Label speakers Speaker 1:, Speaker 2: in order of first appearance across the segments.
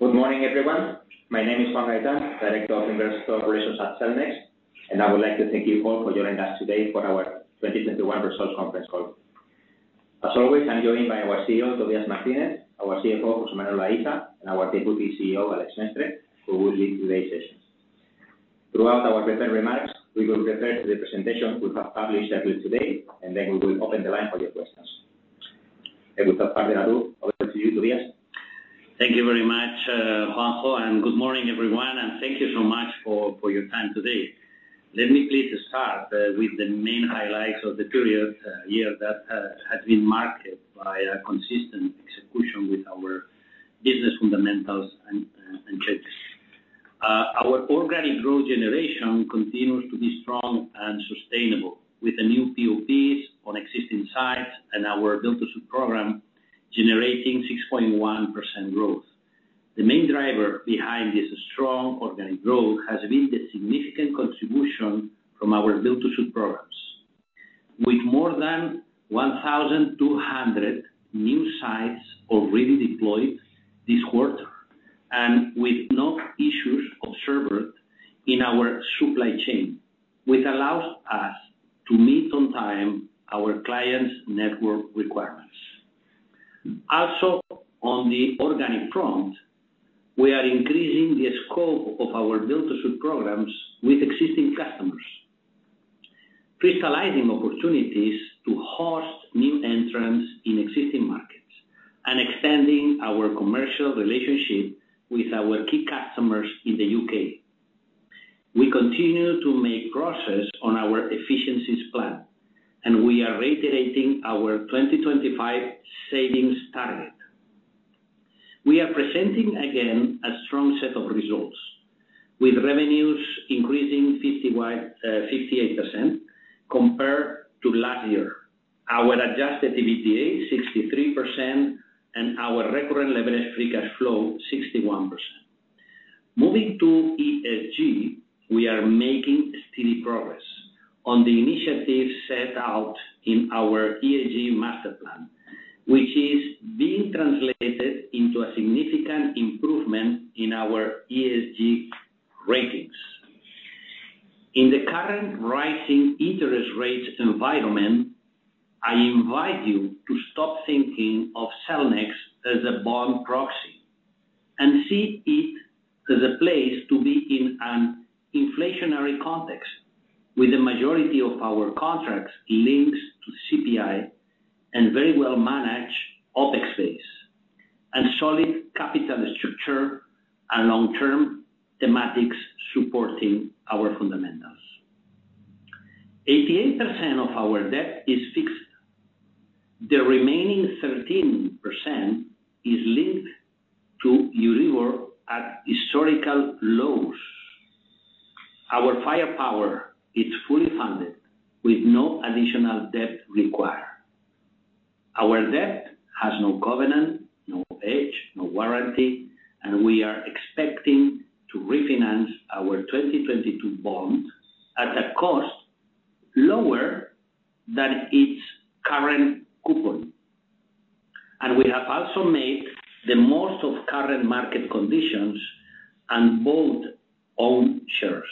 Speaker 1: Good morning, everyone. My name is Juan Gaitán, Director of Investor Relations at Cellnex, and I would like to thank you all for joining us today for our 2021 results conference call. As always, I'm joined by our CEO, Tobias Martinez, our CFO, José Manuel Aisa, and our Deputy CEO, Àlex Mestre, who will lead today's sessions. Throughout our prepared remarks, we will refer to the presentation we have published at least today, and then we will open the line for your questions. Without further ado, over to you, Tobias.
Speaker 2: Thank you very much, Juan, and good morning, everyone, and thank you so much for your time today. Let me please start with the main highlights of the period, year that has been marked by a consistent execution with our business fundamentals and objectives. Our organic growth generation continues to be strong and sustainable with the new PoPs on existing sites and our build-to-suit program generating 6.1% growth. The main driver behind this strong organic growth has been the significant contribution from our build-to-suit programs. With more than 1,200 new sites already deployed this quarter, and with no issues observed in our supply chain, which allows us to meet on time our clients' network requirements. On the organic front, we are increasing the scope of our build-to-suit programs with existing customers, crystallizing opportunities to host new entrants in existing markets, and extending our commercial relationship with our key customers in the U.K. We continue to make progress on our efficiencies plan, and we are reiterating our 2025 savings target. We are presenting again a strong set of results, with revenues increasing 58% compared to last year. Our adjusted EBITDA 63%, and our recurrent levered free cash flow 61%. Moving to ESG, we are making steady progress on the initiatives set out in our ESG master plan, which is being translated into a significant improvement in our ESG ratings. In the current rising interest rates environment, I invite you to stop thinking of Cellnex as a bond proxy and see it as a place to be in an inflationary context, with the majority of our contracts linked to CPI and very well-managed OpEx base, and solid capital structure and long-term thematics supporting our fundamentals. 88% of our debt is fixed. The remaining 13% is linked to Euro at historical lows. Our firepower is fully funded with no additional debt required. Our debt has no covenant, no hedge, no warranty, and we are expecting to refinance our 2022 bond at a cost lower than its current coupon. We have also made the most of current market conditions and bought own shares,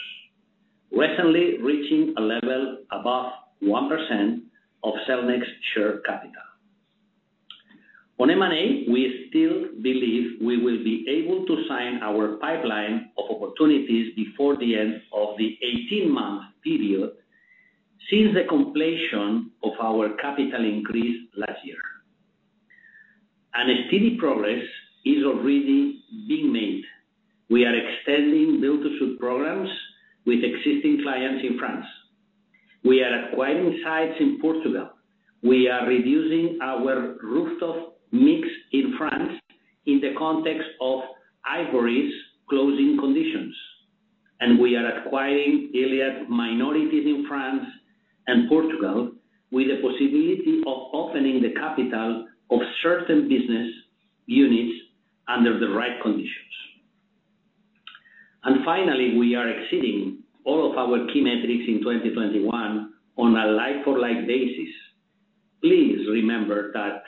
Speaker 2: recently reaching a level above 1% of Cellnex share capital. On M&A, we still believe we will be able to sign our pipeline of opportunities before the end of the 18-month period, since the completion of our capital increase last year. A steady progress is already being made. We are extending build-to-suit programs with existing clients in France. We are acquiring sites in Portugal. We are reducing our rooftop mix in France in the context of Hivory's closing conditions. We are acquiring Iliad minorities in France and Portugal with the possibility of opening the capital of certain business units under the right conditions. Finally, we are exceeding all of our key metrics in 2021 on a like-for-like basis. Please remember that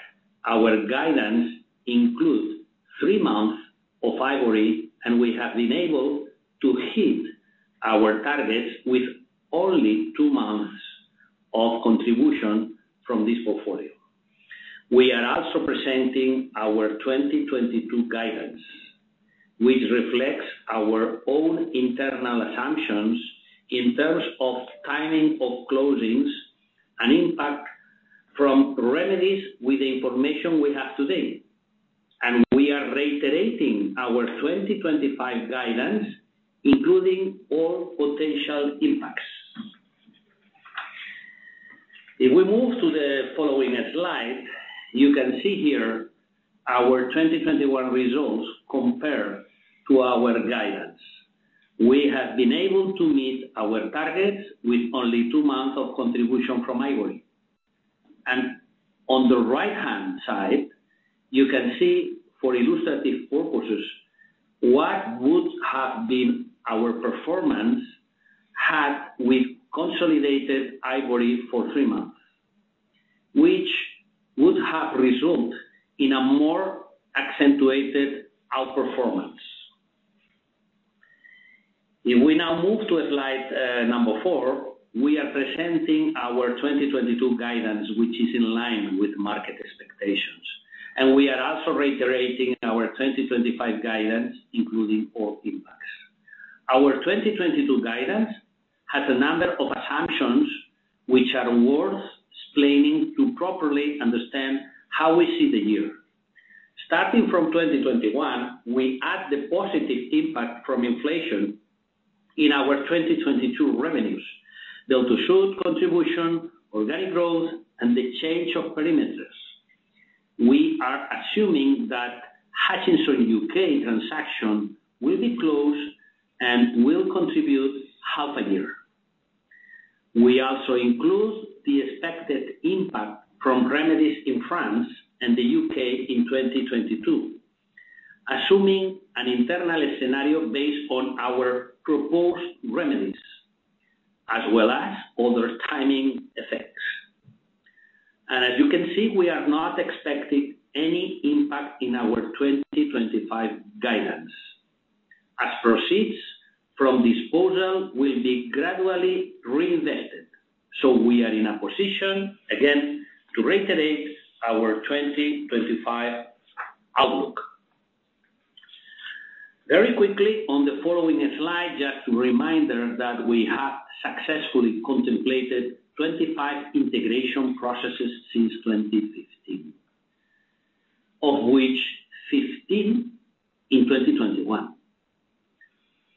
Speaker 2: our guidance includes three months of Hivory, and we have been able to hit our targets with only two months of contribution from this portfolio. We are also presenting our 2022 guidance, which reflects our own internal assumptions in terms of timing of closings and impact from remedies with the information we have today. We are reiterating our 2025 guidance, including all potential impacts. If we move to the following slide, you can see here our 2021 results compared to our guidance. We have been able to meet our targets with only two months of contribution from Hivory. On the right-hand side, you can see, for illustrative purposes, what would have been our performance had we consolidated Hivory for three months, which would have result in a more accentuated outperformance. If we now move to slide four, we are presenting our 2022 guidance, which is in line with market expectations, and we are also reiterating our 2025 guidance, including all impacts. Our 2022 guidance has a number of assumptions which are worth explaining to properly understand how we see the year. Starting from 2021, we add the positive impact from inflation in our 2022 revenues. The delta shows contribution, organic growth, and the change of perimeter. We are assuming that Hutchison UK transaction will be closed and will contribute half a year. We also include the expected impact from remedies in France and the U.K. in 2022, assuming an internal scenario based on our proposed remedies, as well as other timing effects. As you can see, we are not expecting any impact in our 2025 guidance, as proceeds from disposal will be gradually reinvested. We are in a position again to reiterate our 2025 outlook. Very quickly on the following slide, just a reminder that we have successfully completed 25 integration processes since 2015, of which 15 in 2021.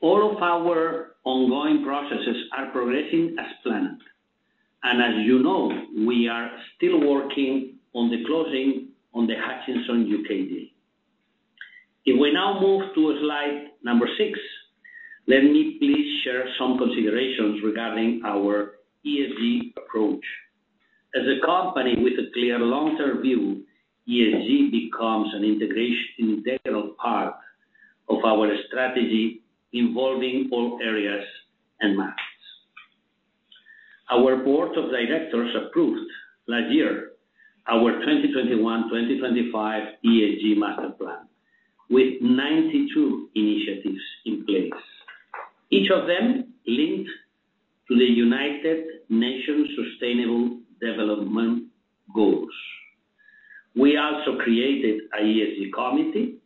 Speaker 2: All of our ongoing processes are progressing as planned. As you know, we are still working on the closing of the Hutchison UK deal. If we now move to slide number six, let me please share some considerations regarding our ESG approach. As a company with a clear long-term view, ESG becomes an integral part of our strategy involving all areas and markets. Our board of directors approved last year our 2021-2025 ESG master plan with 92 initiatives in place, each of them linked to the United Nations Sustainable Development Goals. We also created an ESG committee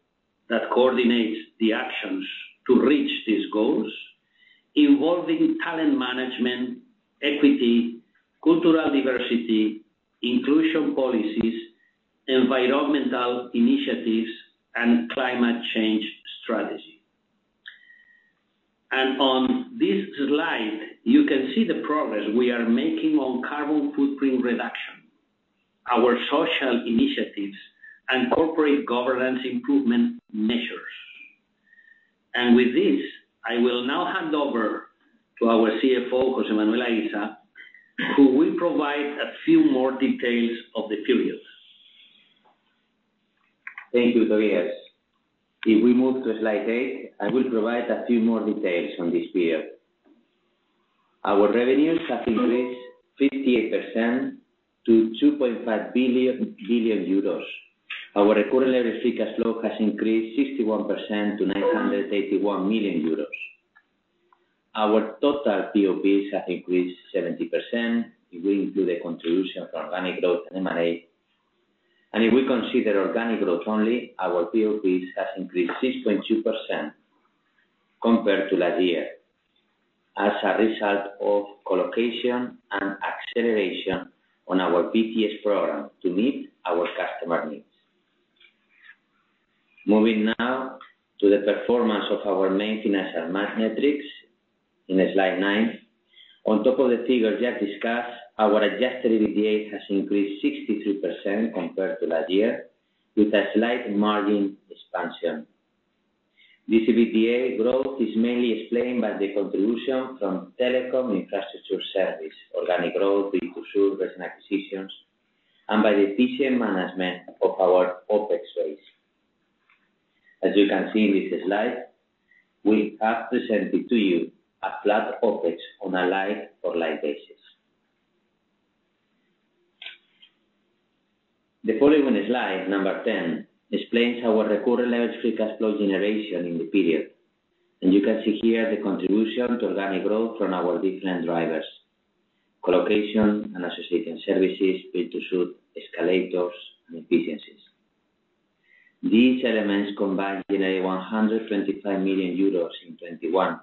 Speaker 2: that coordinates the actions to reach these goals, involving talent management, equity, cultural diversity, inclusion policies, environmental initiatives, and climate change strategy. On this slide, you can see the progress we are making on carbon footprint reduction, our social initiatives, and corporate governance improvement measures. With this, I will now hand over to our CFO, José Manuel Aisa, who will provide a few more details of the period.
Speaker 3: Thank you, Tobias. If we move to slide eight, I will provide a few more details on this period. Our revenues have increased 58% to 2.5 billion euros. Our recurrent free cash flow has increased 61% to 981 million euros. Our total PoPs have increased 70% if we include the contribution from organic growth and M&A. If we consider organic growth only, our PoPs has increased 6.2% compared to last year, as a result of colocation and acceleration on our BTS program to meet our customer needs. Moving now to the performance of our main financial and margin metrics in slide nine. On top of the figures just discussed, our adjusted EBITDA has increased 63% compared to last year with a slight margin expansion. This EBITDA growth is mainly explained by the contribution from telecom infrastructure service, organic growth, build-to-suit, recent acquisitions, and by the efficient management of our OpEx base. As you can see in this slide, we have presented to you a flat OpEx on a like-for-like basis. The following slide, number 10, explains our recurrent levered free cash flow generation in the period. You can see here the contribution to organic growth from our different drivers, colocation and associated services, build-to-suit, escalators, and efficiencies. These elements combined generate 125 million euros in 2021,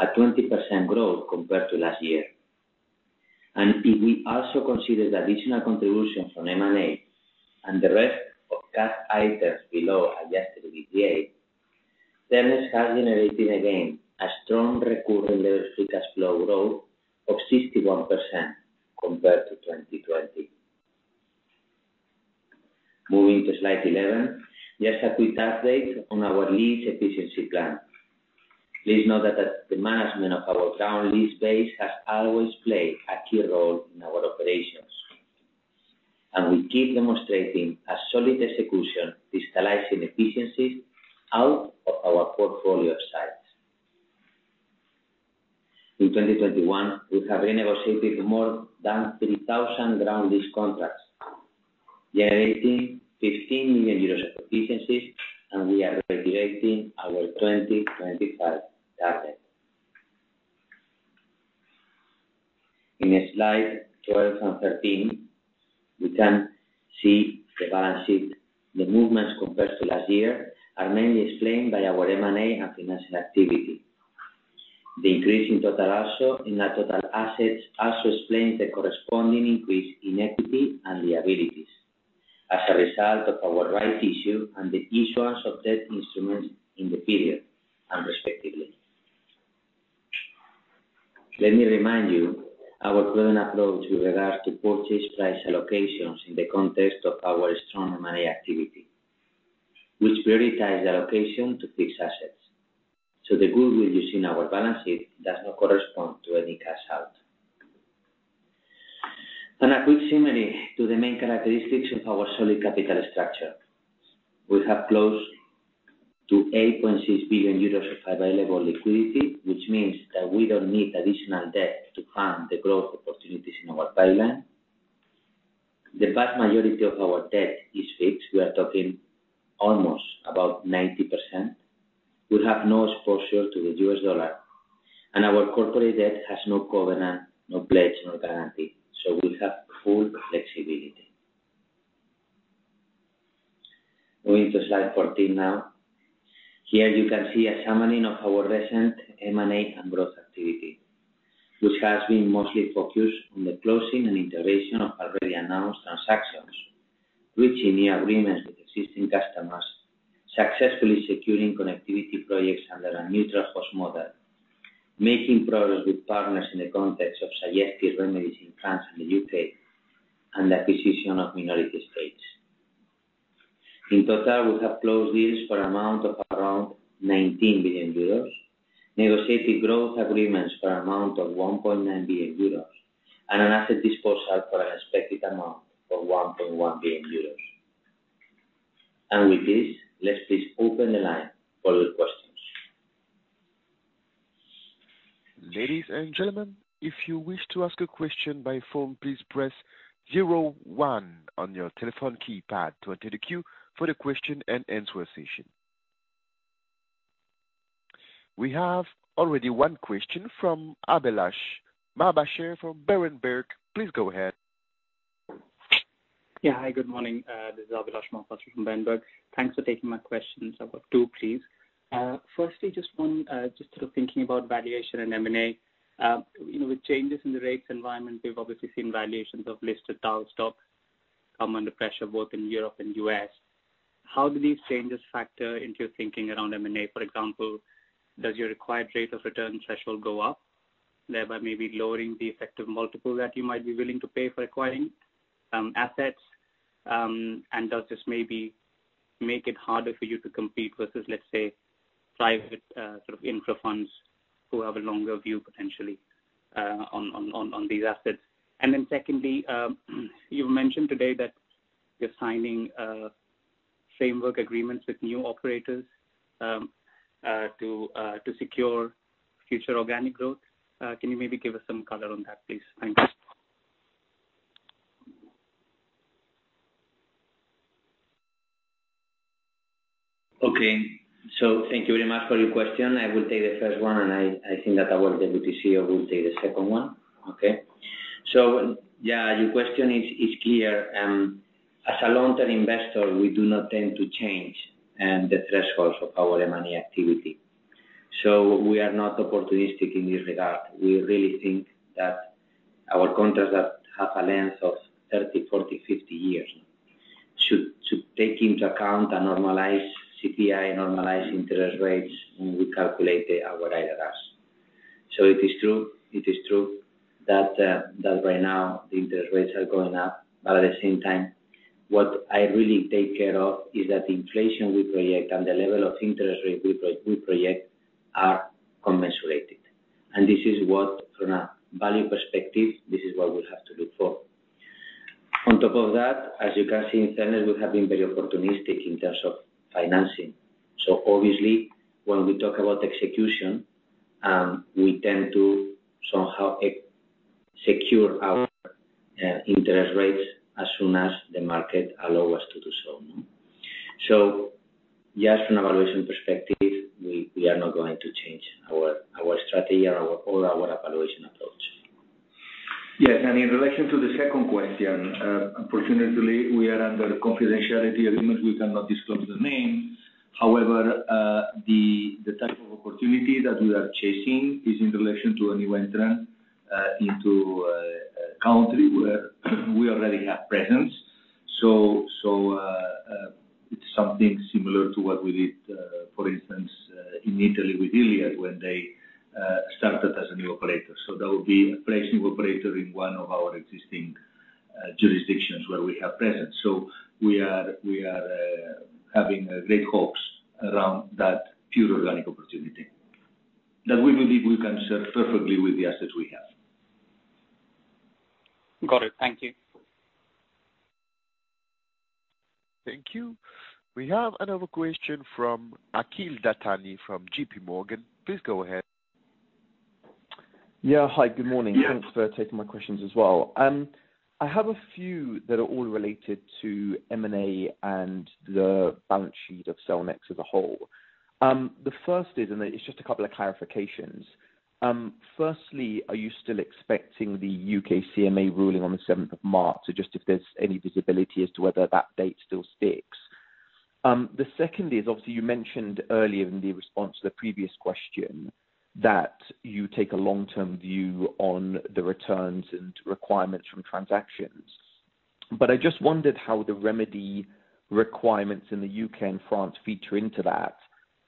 Speaker 3: a 20% growth compared to last year. If we also consider the additional contribution from M&A and the rest of cash items below adjusted EBITDA, Cellnex has generated again a strong recurrent levered free cash flow growth of 61% compared to 2020. Moving to slide 11. Just a quick update on our lease efficiency plan. Please note that the management of our ground lease base has always played a key role in our operations, and we keep demonstrating a solid execution, crystallizing efficiencies out of our portfolio size. In 2021, we have renegotiated more than 3,000 ground lease contracts, generating 15 million euros of efficiencies, and we are accelerating our 2025 target. In slide 12 and 13, we can see the balance sheet. The movements compared to last year are mainly explained by our M&A and financial activity. The increase in total assets also explains the corresponding increase in equity and liabilities as a result of our right issue and the issuance of debt instruments in the period and respectively. Let me remind you our prudent approach with regards to purchase price allocations in the context of our strong M&A activity, which prioritize the allocation to fixed assets. The goodwill you see in our balance sheet does not correspond to any cash out. A quick summary to the main characteristics of our solid capital structure. We have close to 8.6 billion euros of available liquidity, which means that we don't need additional debt to fund the growth opportunities in our pipeline. The vast majority of our debt is fixed. We are talking almost about 90%. We have no exposure to the US dollar, and our corporate debt has no covenant, no pledge, no guarantee, so we have full flexibility. Going to slide 14 now. Here you can see a summary of our recent M&A and growth activity, which has been mostly focused on the closing and integration of already announced transactions, reaching new agreements with existing customers, successfully securing connectivity projects under a neutral host model, making progress with partners in the context of suggested remedies in France and the U.K., and acquisition of minority stakes. In total, we have closed deals for amount of around 19 billion euros, negotiated growth agreements for amount of 1.9 billion euros, and an asset disposal for an expected amount of 1.1 billion euros. With this, let's please open the line for your questions.
Speaker 4: Ladies and gentleman, if you wish to ask a question by phone, please press zero one on your telephone keypad to enter the queue for the question and answer session. We have already one question from Abhilash Mohapatra from Berenberg. Please go ahead.
Speaker 5: Yeah. Hi, good morning. This is Abhilash Mohapatra from Berenberg. Thanks for taking my questions. I've got two, please. Firstly, just one, just sort of thinking about valuation and M&A. You know, with changes in the rates environment, we've obviously seen valuations of listed tower stocks come under pressure both in Europe and U.S. How do these changes factor into your thinking around M&A? For example, does your required rate of return threshold go up, thereby maybe lowering the effective multiple that you might be willing to pay for acquiring, assets? And does this maybe make it harder for you to compete versus, let's say, private, sort of infra funds who have a longer view potentially, on these assets? Secondly, you've mentioned today that you're signing framework agreements with new operators to secure future organic growth. Can you maybe give us some color on that, please? Thank you.
Speaker 3: Okay. Thank you very much for your question. I will take the first one, and I think that our Deputy CEO will take the second one. Okay? Yeah, your question is clear. As a long-term investor, we do not tend to change the thresholds of our M&A activity. We are not opportunistic in this regard. We really think that our contracts that have a length of 30, 40, 50 years should take into account and normalize CPI, normalize interest rates, when we calculate our IRRs. It is true that right now the interest rates are going up. But at the same time, what I really take care of is that the inflation we project and the level of interest rate we project are commensurated. This is what, from a value perspective, this is what we have to look for. On top of that, as you can see in tenants, we have been very opportunistic in terms of financing. Obviously when we talk about execution, we tend to somehow secure our interest rates as soon as the market allow us to do so. Just from a valuation perspective, we are not going to change our strategy or our valuation approach.
Speaker 6: Yes, in relation to the second question, unfortunately, we are under confidentiality agreement. We cannot disclose the name. However, the type of opportunity that we are chasing is in relation to a new entrant into a country where we already have presence. It's something similar to what we did, for instance, in Italy with Iliad when they started as a new operator. That would be a fresh new operator in one of our existing jurisdictions where we have presence. We are having great hopes around that pure organic opportunity that we believe we can serve perfectly with the assets we have.
Speaker 5: Got it. Thank you.
Speaker 4: Thank you. We have another question from Akhil Dattani from JPMorgan. Please go ahead.
Speaker 7: Yeah. Hi, good morning.
Speaker 4: Yeah.
Speaker 7: Thanks for taking my questions as well. I have a few that are all related to M&A and the balance sheet of Cellnex as a whole. The first is, and it's just a couple of clarifications. Firstly, are you still expecting the U.K. CMA ruling on the seventh of March? Just if there's any visibility as to whether that date still sticks. The second is, obviously you mentioned earlier in the response to the previous question that you take a long-term view on the returns and requirements from transactions. I just wondered how the remedy requirements in the U.K. and France feature into that.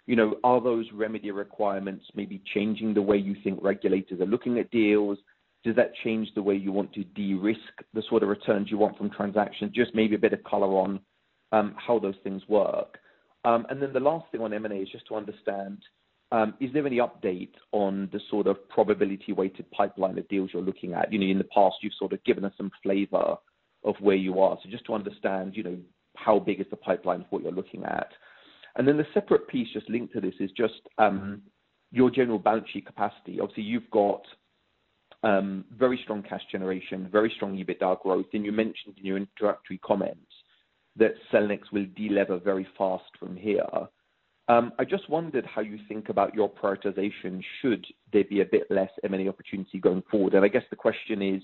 Speaker 7: You know, are those remedy requirements maybe changing the way you think regulators are looking at deals? Does that change the way you want to de-risk the sort of returns you want from transactions? Just maybe a bit of color on how those things work. Then the last thing on M&A is just to understand, is there any update on the sort of probability-weighted pipeline of deals you're looking at? You know, in the past you've sort of given us some flavor of where you are. Just to understand, you know, how big is the pipeline for what you're looking at. Then the separate piece just linked to this is just your general balance sheet capacity. Obviously, you've got very strong cash generation, very strong EBITDA growth, and you mentioned in your introductory comments that Cellnex will de-lever very fast from here. I just wondered how you think about your prioritization should there be a bit less M&A opportunity going forward. I guess the question is,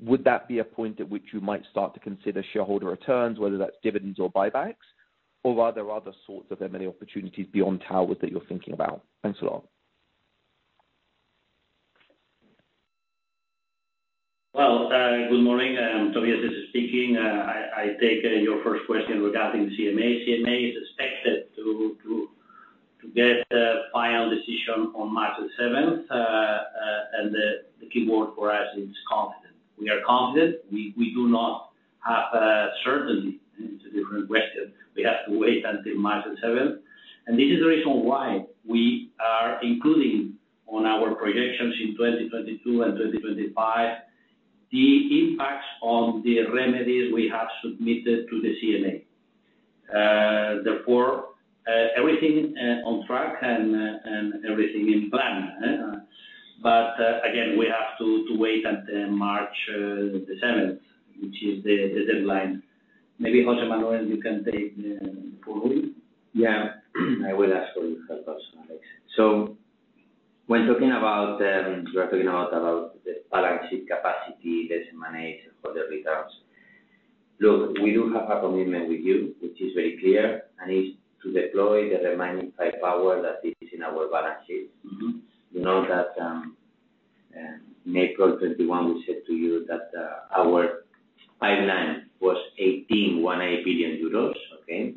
Speaker 7: would that be a point at which you might start to consider shareholder returns, whether that's dividends or buybacks, or are there other sorts of M&A opportunities beyond tower that you're thinking about? Thanks a lot.
Speaker 2: Well, good morning. Tobias is speaking. I take your first question regarding CMA. CMA is expected to get a final decision on March the 7th. The keyword for us is confident. We are confident. We do not have certainty. It's a different question. We have to wait until March the seventh. This is the reason why we are including on our projections in 2022 and 2025 the impacts on the remedies we have submitted to the CMA. Therefore, everything on track and everything in plan, but again, we have to wait until March the seventh, which is the deadline. Maybe José Manuel, you can take for me.
Speaker 3: Yeah. I will ask for your help also, Àlex. When talking about the balance sheet capacity, the M&A for the returns. Look, we do have a commitment with you, which is very clear, and is to deploy the remaining five firepower that is in our balance sheet.
Speaker 6: Mm-hmm.
Speaker 3: You know that, in April 2021 we said to you that, our pipeline was 18.18 billion euros, okay?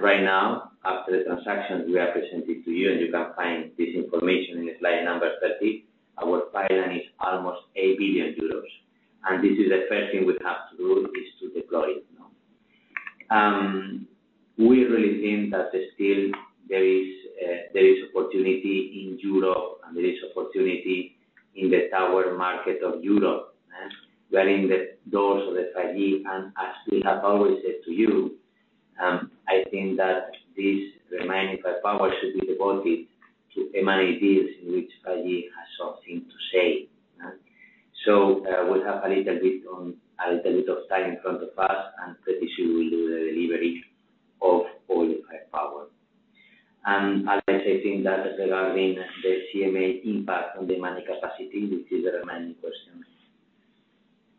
Speaker 3: Right now, after the transactions we have presented to you, and you can find this information in slide number 30, our pipeline is almost 8 billion euros. This is the first thing we have to do, is to deploy it now. We really think that there still is, there is opportunity in Europe, and there is opportunity in the tower market of Europe, during the dawn of the 5G. As we have always said to you, I think that this remaining firepower should be devoted to M&A deals in which 5G has something to say. We have a little bit of time in front of us, and pretty soon we'll do the delivery of all the firepower. Àlex, I think that regarding the CMA impact on the M&A capacity, which is the remaining question.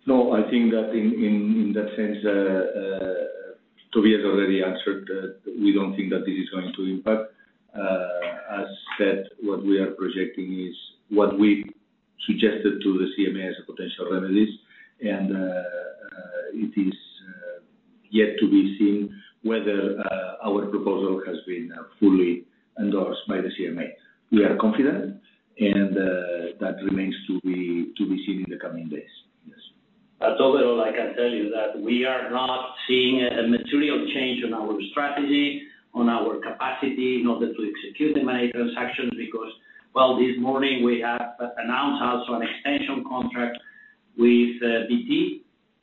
Speaker 6: No, I think that in that sense, Tobias already answered that we don't think that this is going to impact. As said, what we are projecting is what we suggested to the CMA as potential remedies. It is yet to be seen whether our proposal has been fully endorsed by the CMA. We are confident and that remains to be seen in the coming days. Yes.
Speaker 3: Overall, I can tell you that we are not seeing a material change on our strategy, on our capacity in order to execute the M&A transactions because, well, this morning we have announced also an extension contract with DT,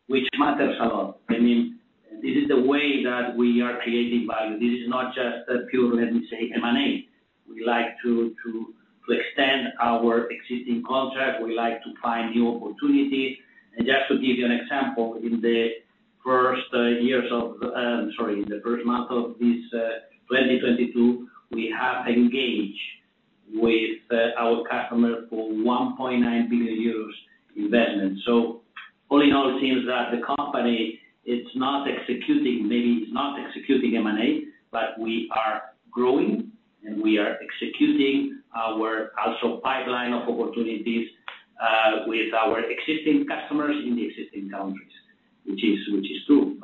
Speaker 3: which matters a lot. I mean, this is the way that we are creating value. This is not just a pure, let me say, M&A. We like to extend our existing contract. We like to find new opportunities. Just to give you an example, in the first month of this 2022, we have engaged with our customer for 1.9 billion euros investment. All in all, it seems that the company is not executing, maybe it's not executing M&A, but we are growing, and we are executing our also pipeline of opportunities with our existing customers in the existing countries, which is true.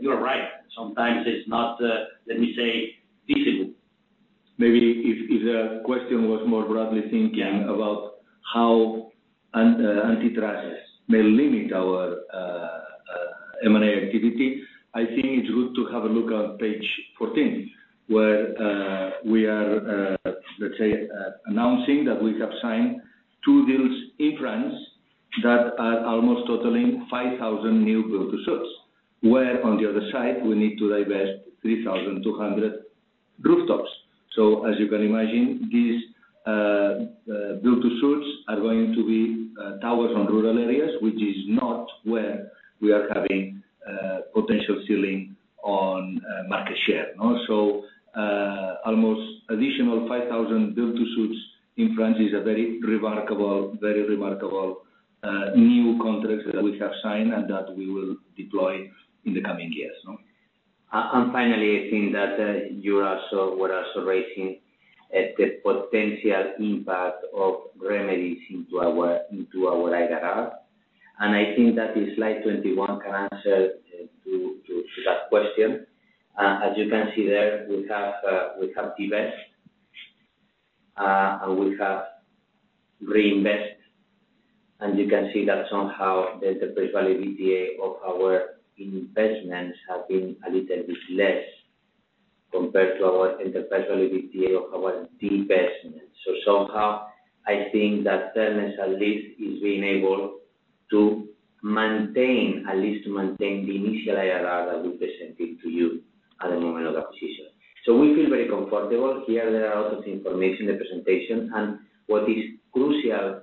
Speaker 3: You are right. Sometimes it's not, let me say, visible.
Speaker 6: Maybe if the question was more broadly thinking about how an antitrust may limit our M&A activity, I think it's good to have a look on page fourteen, where we are, let's say, announcing that we have signed two deals in France that are almost totaling 5,000 new build-to-suits, where on the other side, we need to divest 3,200 rooftops. As you can imagine, these build-to-suits are going to be towers on rural areas, which is not where we are having potential ceiling on market share, no? Almost additional 5,000 build-to-suits in France is a very remarkable new contracts that we have signed and that we will deploy in the coming years, no?
Speaker 3: I think that you were also raising the potential impact of remedies into our IRR. I think that the slide 21 can answer to that question. As you can see there, we have divestments and we have reinvestments. You can see that somehow the enterprise value EBITDA of our investments have been a little bit less compared to our enterprise value EBITDA of our divestment. Somehow I think that Cellnex at least is being able to maintain the initial IRR that we presented to you at the moment of acquisition. We feel very comfortable. Here there are a lot of information, the presentation, and what is crucial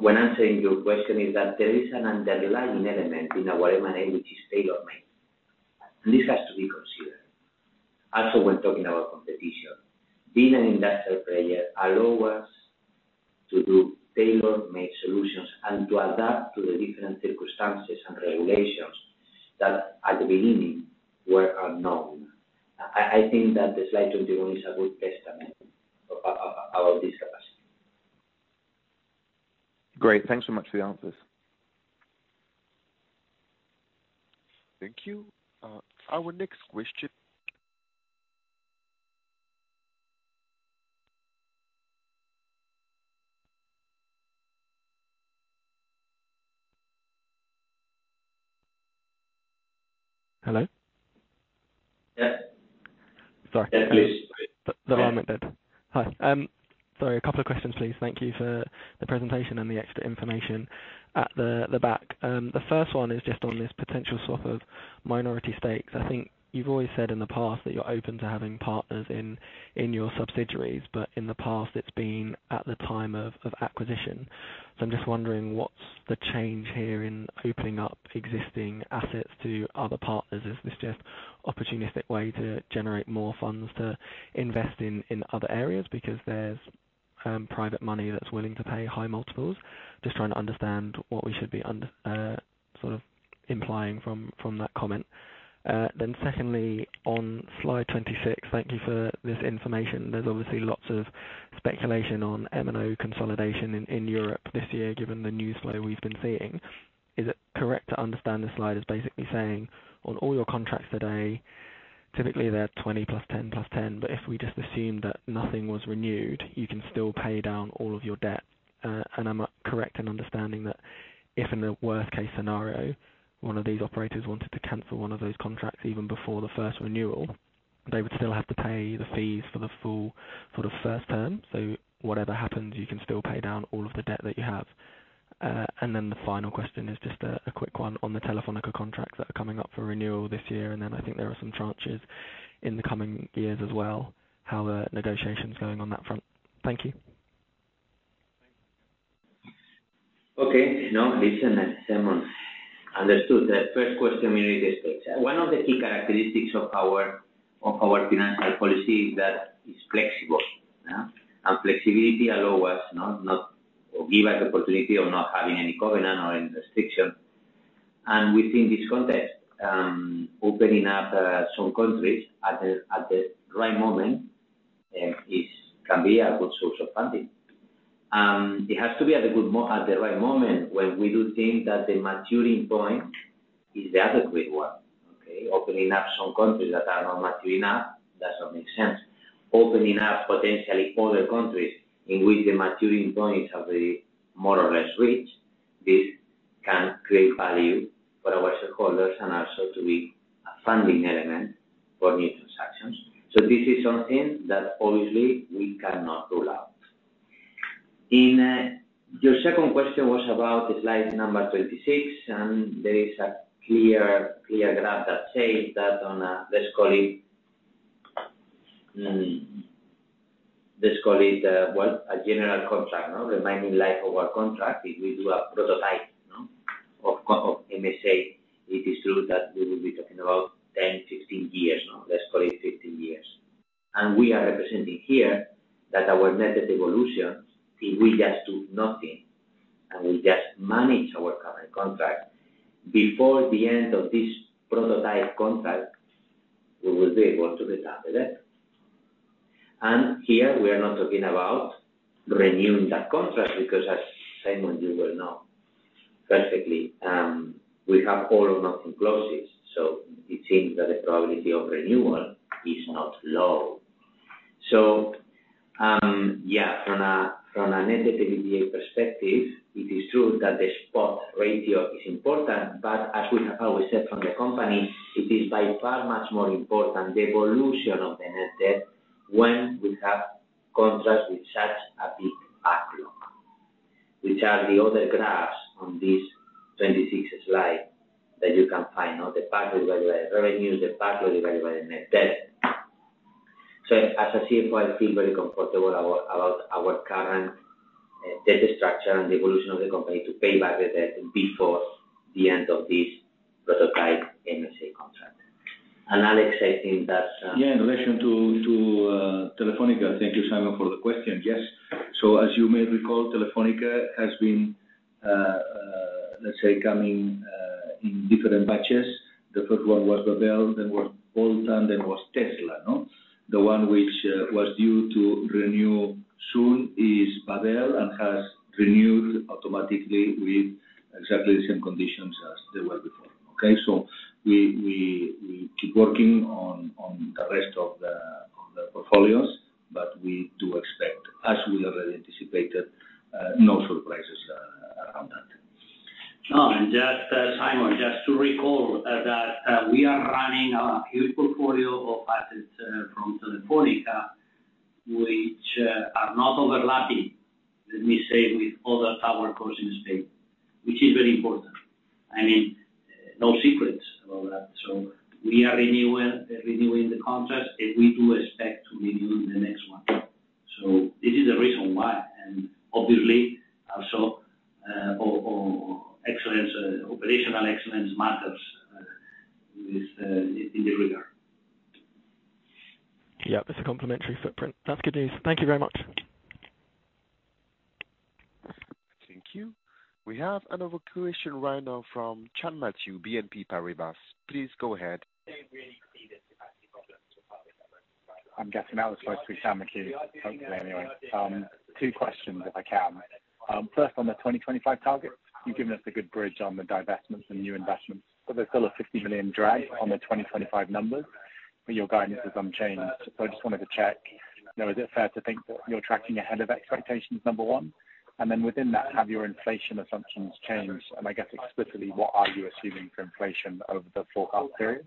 Speaker 3: when answering your question is that there is an underlying element in our M&A, which is tailor-made. This has to be considered also when talking about competition. Being an industrial player allow us to do tailor-made solutions and to adapt to the different circumstances and regulations that at the beginning were unknown. I think that the slide 21 is a good testament about this capacity.
Speaker 7: Great. Thanks so much for the answers.
Speaker 4: Thank you. Our next question.
Speaker 8: Hello?
Speaker 3: Yeah.
Speaker 8: Sorry.
Speaker 3: Yeah, please.
Speaker 8: Hi. Sorry, a couple of questions, please. Thank you for the presentation and the extra information at the back. The first one is just on this potential swap of minority stakes. I think you've always said in the past that you're open to having partners in your subsidiaries, but in the past, it's been at the time of acquisition. I'm just wondering, what's the change here in opening up existing assets to other partners? Is this just opportunistic way to generate more funds to invest in other areas because there's private money that's willing to pay high multiples? Just trying to understand what we should be sort of implying from that comment. Then secondly, on slide 26, thank you for this information. There's obviously lots of speculation on M&A consolidation in Europe this year, given the news flow we've been seeing. Is it correct to understand the slide is basically saying on all your contracts today, typically they're 20+10+10, but if we just assume that nothing was renewed, you can still pay down all of your debt? And am I correct in understanding that if in a worst case scenario, one of these operators wanted to cancel one of those contracts even before the first renewal, they would still have to pay the fees for the full sort of first term? Whatever happens, you can still pay down all of the debt that you have. The final question is just a quick one on the Telefónica contracts that are coming up for renewal this year, and then I think there are some tranches in the coming years as well. How are negotiations going on that front? Thank you.
Speaker 3: Okay. No, listen, Simone. Understood. The first question you raised. One of the key characteristics of our financial policy is that it's flexible. Flexibility gives us opportunity of not having any covenant or any restriction. Within this context, opening up some countries at the right moment can be a good source of funding. It has to be at the right moment when we do think that the maturing point is the adequate one. Okay. Opening up some countries that are not maturing up, that doesn't make sense. Opening up potentially other countries in which the maturing points have been more or less reached, this can create value for our shareholders and also to be a funding element for new transactions. This is something that obviously we cannot rule out. Your second question was about the slide number 26, and there is a clear graph that says that on a, let's call it, a general contract. The remaining life of our contract, if we do a pro forma of MSA, it is true that we will be talking about 10-15 years. Let's call it 15 years. We are representing here that our net debt evolution, if we just do nothing, and we just manage our current contract, before the end of this pro forma contract, we will be able to reduce our debt. Here we are not talking about renewing that contract because as Simone, you will know perfectly, we have all or nothing clauses. It seems that the probability of renewal is not low. From a net debt EBITDA perspective, it is true that the spot ratio is important, but as we have always said from the company, it is by far much more important the evolution of the net debt.
Speaker 1: When we have contrast with such a big backlog, which are the other graphs on this 26 slide that you can find out the backlog divided by revenue, the backlog divided by net debt. As a CFO, I feel very comfortable about our current debt structure and the evolution of the company to pay back the debt before the end of this prototype MSA contract. Àlex, I think that's
Speaker 6: Yeah. In relation to Telefónica. Thank you, Simone, for the question. Yes. As you may recall, Telefónica has been, let's say, coming in different batches. The first one was Babel, then was Holten, then was Tesla, no? The one which was due to renew soon is Babel and has renewed automatically with exactly the same conditions as they were before. Okay? We keep working on the rest of the portfolios, but we do expect, as we already anticipated, no surprises around that.
Speaker 1: Simone, just to recall that we are running a huge portfolio of assets from Telefónica, which are not overlapping, let me say, with other towerco's estate, which is very important. I mean, no secrets about that. We are renewing the contract, and we do expect to renew the next one. This is the reason why. Obviously, also, operational excellence matters in this regard.
Speaker 8: Yeah. That's a complementary footprint. That's good news. Thank you very much.
Speaker 4: Thank you. We have another question right now from Sam McHugh, BNP Paribas. Please go ahead.
Speaker 9: I'm guessing that was supposed to be Sam McHugh, hopefully anyway. Two questions if I can. First on the 2025 targets, you've given us a good bridge on the divestments and new investments, but there's still a 50 million drag on the 2025 numbers, but your guidance is unchanged. I just wanted to check, you know, is it fair to think that you're tracking ahead of expectations, number one? And then within that, have your inflation assumptions changed? And I guess explicitly, what are you assuming for inflation over the forecast period?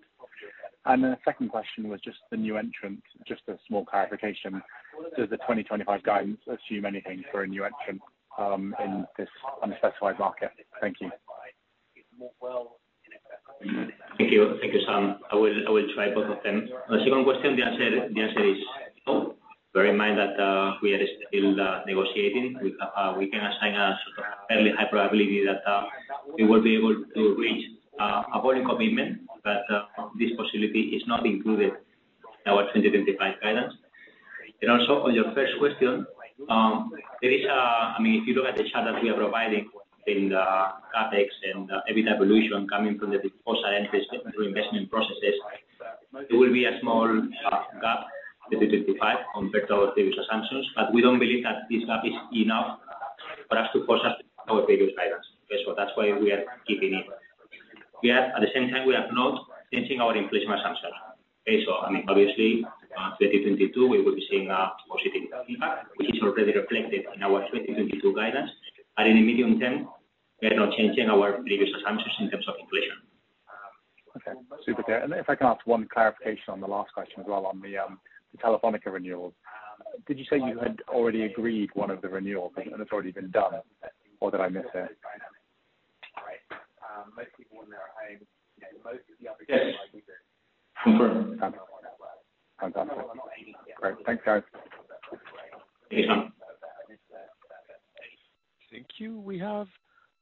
Speaker 9: And then the second question was just the new entrant, just a small clarification. Does the 2025 guidance assume anything for a new entrant, in this unspecified market? Thank you.
Speaker 3: Thank you. Thank you, Sam. I will try both of them. On the second question, the answer is no. Bear in mind that we are still negotiating. We can assign a sort of fairly high probability that we will be able to reach our volume commitment, but this possibility is not included in our 2025 guidance. Also on your first question, I mean, if you look at the chart that we are providing in the CapEx and the EBITDA evolution coming from the base case investment processes, it will be a small gap to 2025 compared to our previous assumptions, but we don't believe that this gap is enough for us to forecast our previous guidance. Okay. That's why we are keeping it. At the same time, we are not changing our inflation assumption. Okay. So I mean, obviously, 2022, we will be seeing a positive impact, which is already reflected in our 2022 guidance. In the medium term, we are not changing our previous assumptions in terms of inflation.
Speaker 9: Okay. Super clear. If I can ask one clarification on the last question as well on the Telefónica renewals. Did you say you had already agreed one of the renewals and it's already been done, or did I miss it?
Speaker 3: Yes.
Speaker 9: Great. Thanks, guys.
Speaker 3: Yeah.
Speaker 4: Thank you. We have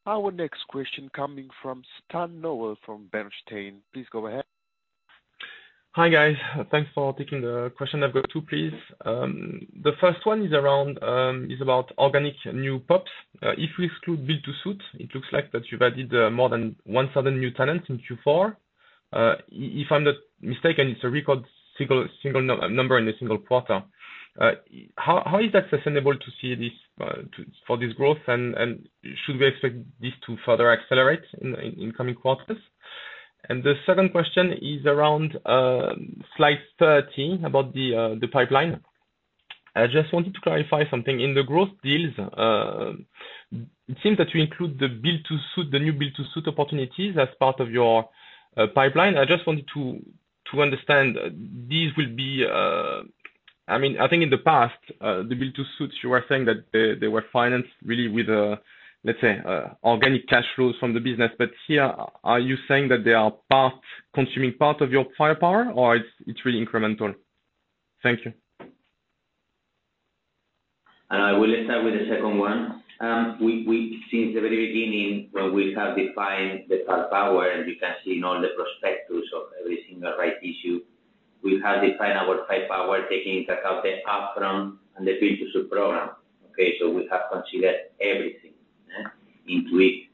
Speaker 4: our next question coming from Stan Noel from Bernstein. Please go ahead.
Speaker 10: Hi, guys. Thanks for taking the question. I've got two, please. The first one is about organic new PoPs. If we exclude build-to-suit, it looks like that you've added more than 1000 new tenants in Q4. If I'm not mistaken, it's a record single number in a single quarter. How is that sustainable for this growth? Should we expect this to further accelerate in coming quarters? The second question is around slide 13 about the pipeline. I just wanted to clarify something. In the growth deals, it seems that you include the build-to-suit, the new build-to-suit opportunities as part of your pipeline. I just wanted to understand, these will be, I mean, I think in the past, the build-to-suits, you were saying that they were financed really with, let's say, organic cash flows from the business. Here, are you saying that they are consuming part of your firepower, or it's really incremental? Thank you.
Speaker 8: We'll start with the second one. We since the very beginning when we have defined the firepower, and you can see in all the prospectus of every single right issue, we have defined our firepower taking into account the upfront and the build-to-suit program. Okay, so we have considered everything, in it.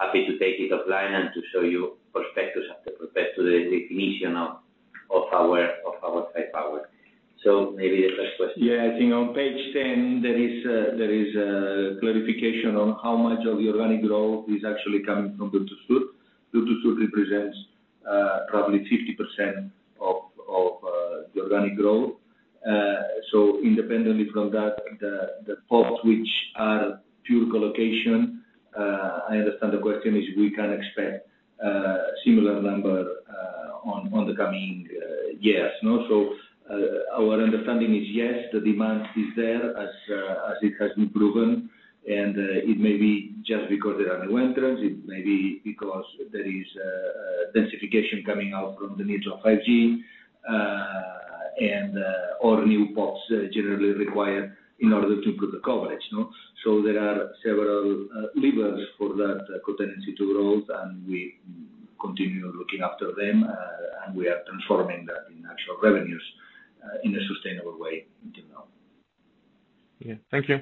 Speaker 8: Happy to take it offline and to show you prospectus after prospectus, the definition of power, of our firepower. Maybe the first question.
Speaker 6: Yeah. I think on page 10, there is clarification on how much of the organic growth is actually coming from build-to-suit. Build-to-suit represents probably 50% of the organic growth. Independently from that, the PoPs which are pure colocation. I understand the question is we can expect similar number on the coming years, no? Our understanding is yes, the demand is there as it has been proven, and it may be just because there are new entrants, it may be because there is densification coming out from the needs of 5G, and all new pods generally required in order to improve the coverage, no? There are several levers for that propensity to grow, and we continue looking after them. We are transforming that in actual revenues, in a sustainable way until now.
Speaker 10: Yeah. Thank you.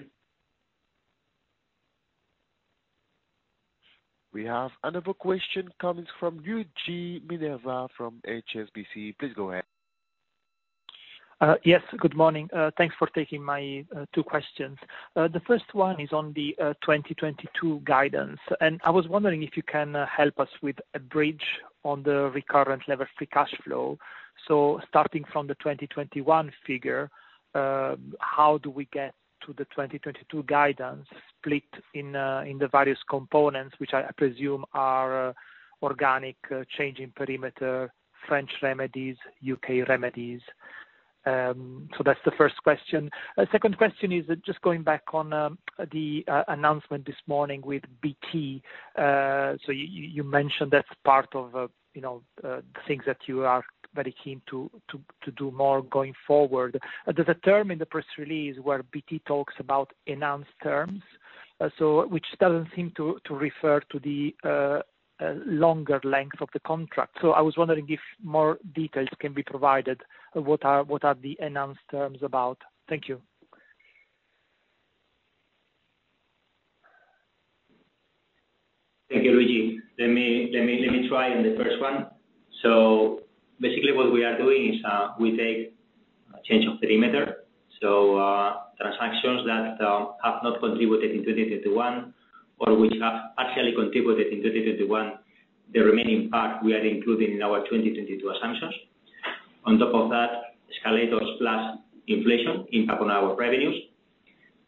Speaker 4: We have another question coming from Luigi Minerva from HSBC. Please go ahead.
Speaker 11: Yes. Good morning. Thanks for taking my two questions. The first one is on the 2022 guidance, and I was wondering if you can help us with a bridge on the recurrent levered free cash flow. Starting from the 2021 figure, how do we get to the 2022 guidance split in the various components, which I presume are organic change in perimeter, French remedies, UK remedies? That's the first question. Second question is just going back on the announcement this morning with BT. You mentioned that's part of, you know, the things that you are very keen to do more going forward. There's a term in the press release where BT talks about enhanced terms, so which doesn't seem to refer to the longer length of the contract. I was wondering if more details can be provided of what are the enhanced terms about. Thank you.
Speaker 3: Thank you, Luigi. Let me try on the first one. Basically what we are doing is we take a change of perimeter. Transactions that have not contributed in 2021 or which have actually contributed in 2021, the remaining part we are including in our 2022 assumptions. On top of that, escalators plus inflation impact on our revenues,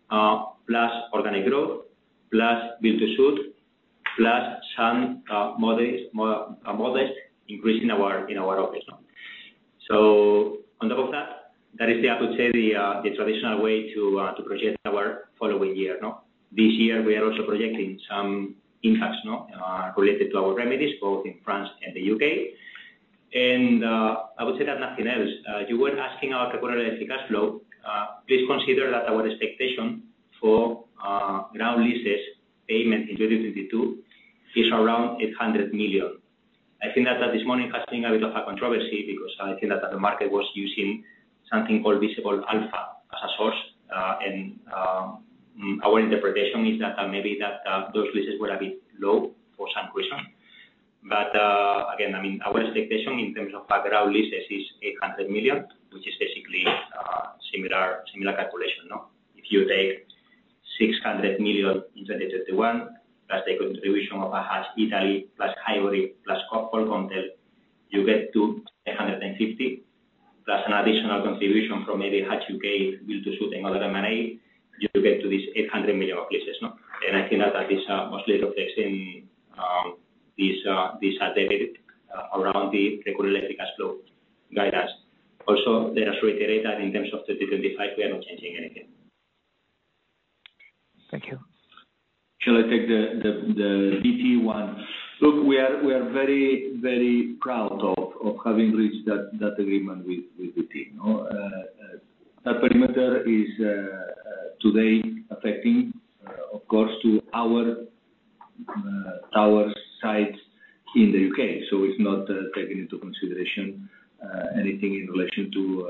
Speaker 3: plus organic growth, plus build-to-suit, plus some modest increase in our operations. On top of that is, I would say, the traditional way to project our following year, no? This year we are also projecting some impacts related to our remedies both in France and the U.K. I would say that nothing else. You were asking about the cash flow.
Speaker 8: Please consider that our expectation for ground leases payment in 2022 is around 800 million. I think that this morning caused a little bit of a controversy because I think that the market was using something called Visible Alpha as a source. Our interpretation is that maybe those leases were a bit low for some reason. Again, I mean, our expectation in terms of ground leases is 800 million, which is basically similar calculation, no? If you take 600 million in 2021, that's a contribution of a Hutch Italy plus Hivory plus Polkomtel, you get to 850. That's an additional contribution from maybe Hutch UK build-to-suit and other M&A, you get to this 800 million of leases, no?
Speaker 3: I think that is mostly reflected in these updated recurrent levered free cash flow guidance. Also, let us reiterate that in terms of the different FY, we are not changing anything.
Speaker 11: Thank you.
Speaker 6: Shall I take the BT one? Look, we are very proud of having reached that agreement with BT, no? That perimeter is today affecting, of course, to our sites in the U.K. So it's not taking into consideration anything in relation to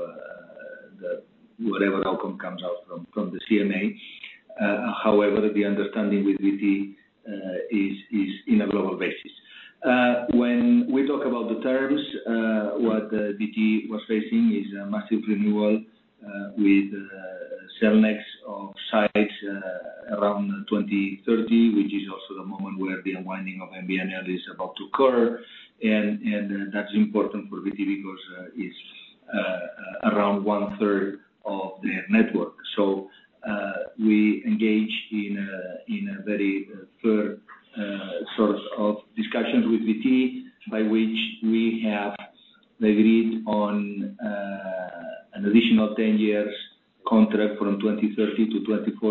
Speaker 6: whatever outcome comes out from the CMA. However, the understanding with BT is on a global basis. When we talk about the terms, what BT was facing is a massive renewal with Cellnex of sites around 2030, which is also the moment where the unwinding of MBNL is about to occur. That's important for BT because it's around one-third of their network. We engage in a very firm course of discussions with BT, by which we have agreed on an additional 10-year contract from 2030 to 2040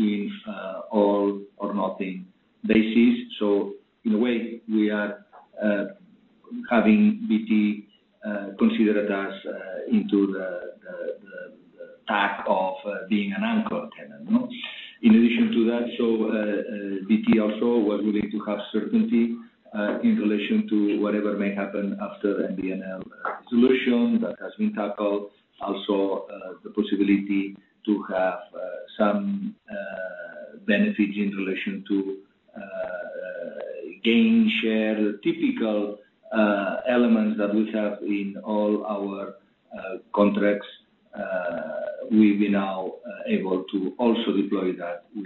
Speaker 6: on an all-or-nothing basis. In a way, we are having BT considered us into the act of being an anchor tenant, no? In addition to that, BT also was willing to have certainty in relation to whatever may happen after MBNL solution that has been tackled. Also, the possibility to have some benefit in relation to gain share, typical elements that we have in all our contracts, we've been now able to also deploy that with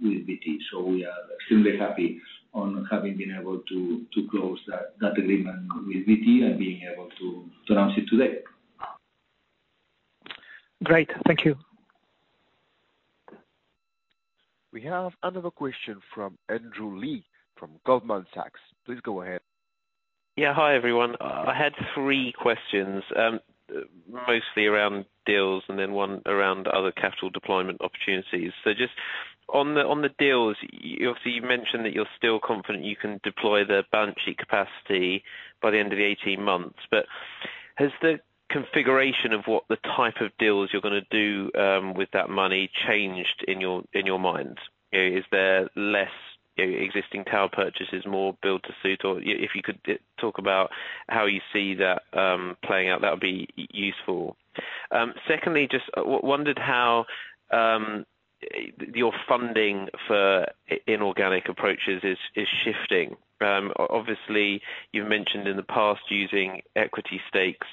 Speaker 6: BT. We are extremely happy on having been able to close that agreement with BT and being able to announce it today.
Speaker 11: Great. Thank you.
Speaker 6: We have another question from Andrew Lee from Goldman Sachs. Please go ahead.
Speaker 12: Yeah. Hi, everyone. I had three questions, mostly around deals and then one around other capital deployment opportunities. Just on the deals, you obviously mentioned that you're still confident you can deploy the balance sheet capacity by the end of the 18 months. Has the configuration of what the type of deals you're going to do with that money changed in your mind? Is there less existing tower purchases, more build-to-suit? Or if you could talk about how you see that playing out, that would be useful. Secondly, just wondered how your funding for inorganic approaches is shifting. Obviously, you've mentioned in the past using equity stakes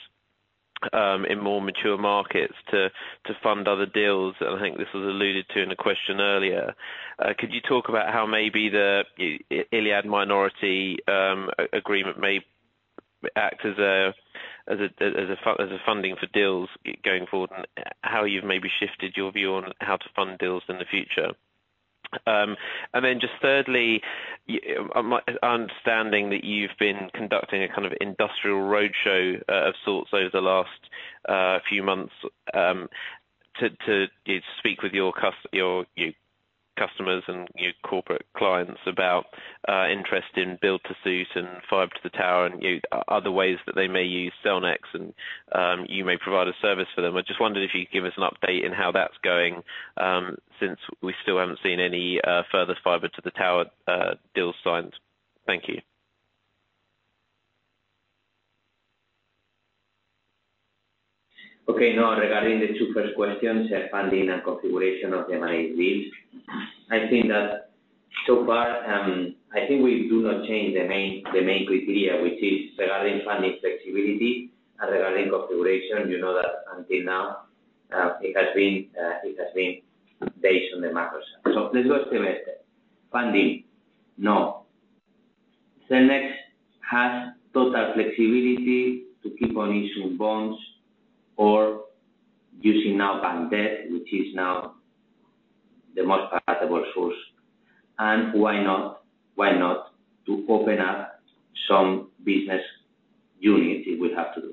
Speaker 12: in more mature markets to fund other deals. I think this was alluded to in the question earlier. Could you talk about how maybe the Iliad minority agreement may act as a funding for deals going forward, and how you've maybe shifted your view on how to fund deals in the future? Just thirdly, my understanding that you've been conducting a kind of industrial roadshow of sorts over the last few months to speak with your customers and your corporate clients about interest in build-to-suit and fiber to the tower and other ways that they may use Cellnex, and you may provide a service for them. I just wondered if you could give us an update on how that's going, since we still haven't seen any further fiber to the tower deals signed. Thank you.
Speaker 3: Okay. No, regarding the two first questions, funding and configuration of M&A deals, I think that so far, I think we do not change the main criteria, which is regarding funding flexibility and regarding configuration. You know that until now, it has been based on making sense. The first semester funding. No, Cellnex has total flexibility to keep on issuing bonds or using, now, bank debt, which is now the most palatable source. Why not, why not to open up some business unit if we have to do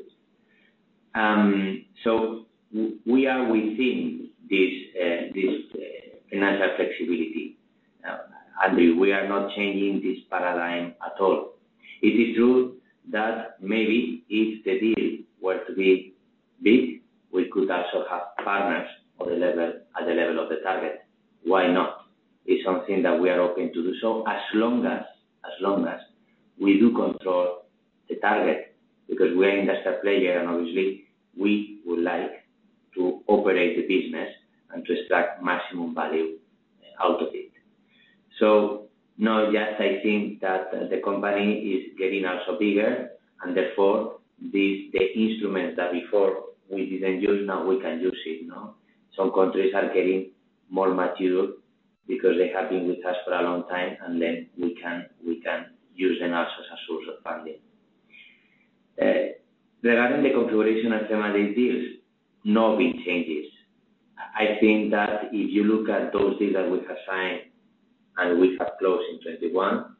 Speaker 3: it. We are within this financial flexibility. I mean, we are not changing this paradigm at all. It is true that maybe if the deal were to be big, we could also have partners on the level, at the level of the target. Why not? It's something that we are open to do. As long as we do control the target, because we're industrial player and obviously we would like to operate the business and to extract maximum value out of it. Now, yes, I think that the company is getting also bigger and therefore these, the instruments that before we didn't use, now we can use it, no? Some countries are getting more mature because they have been with us for a long time, and then we can use them as a source of funding. Regarding the configuration of M&A deals, no big changes. I think that if you look at those deals that we have signed and we have closed in 2021,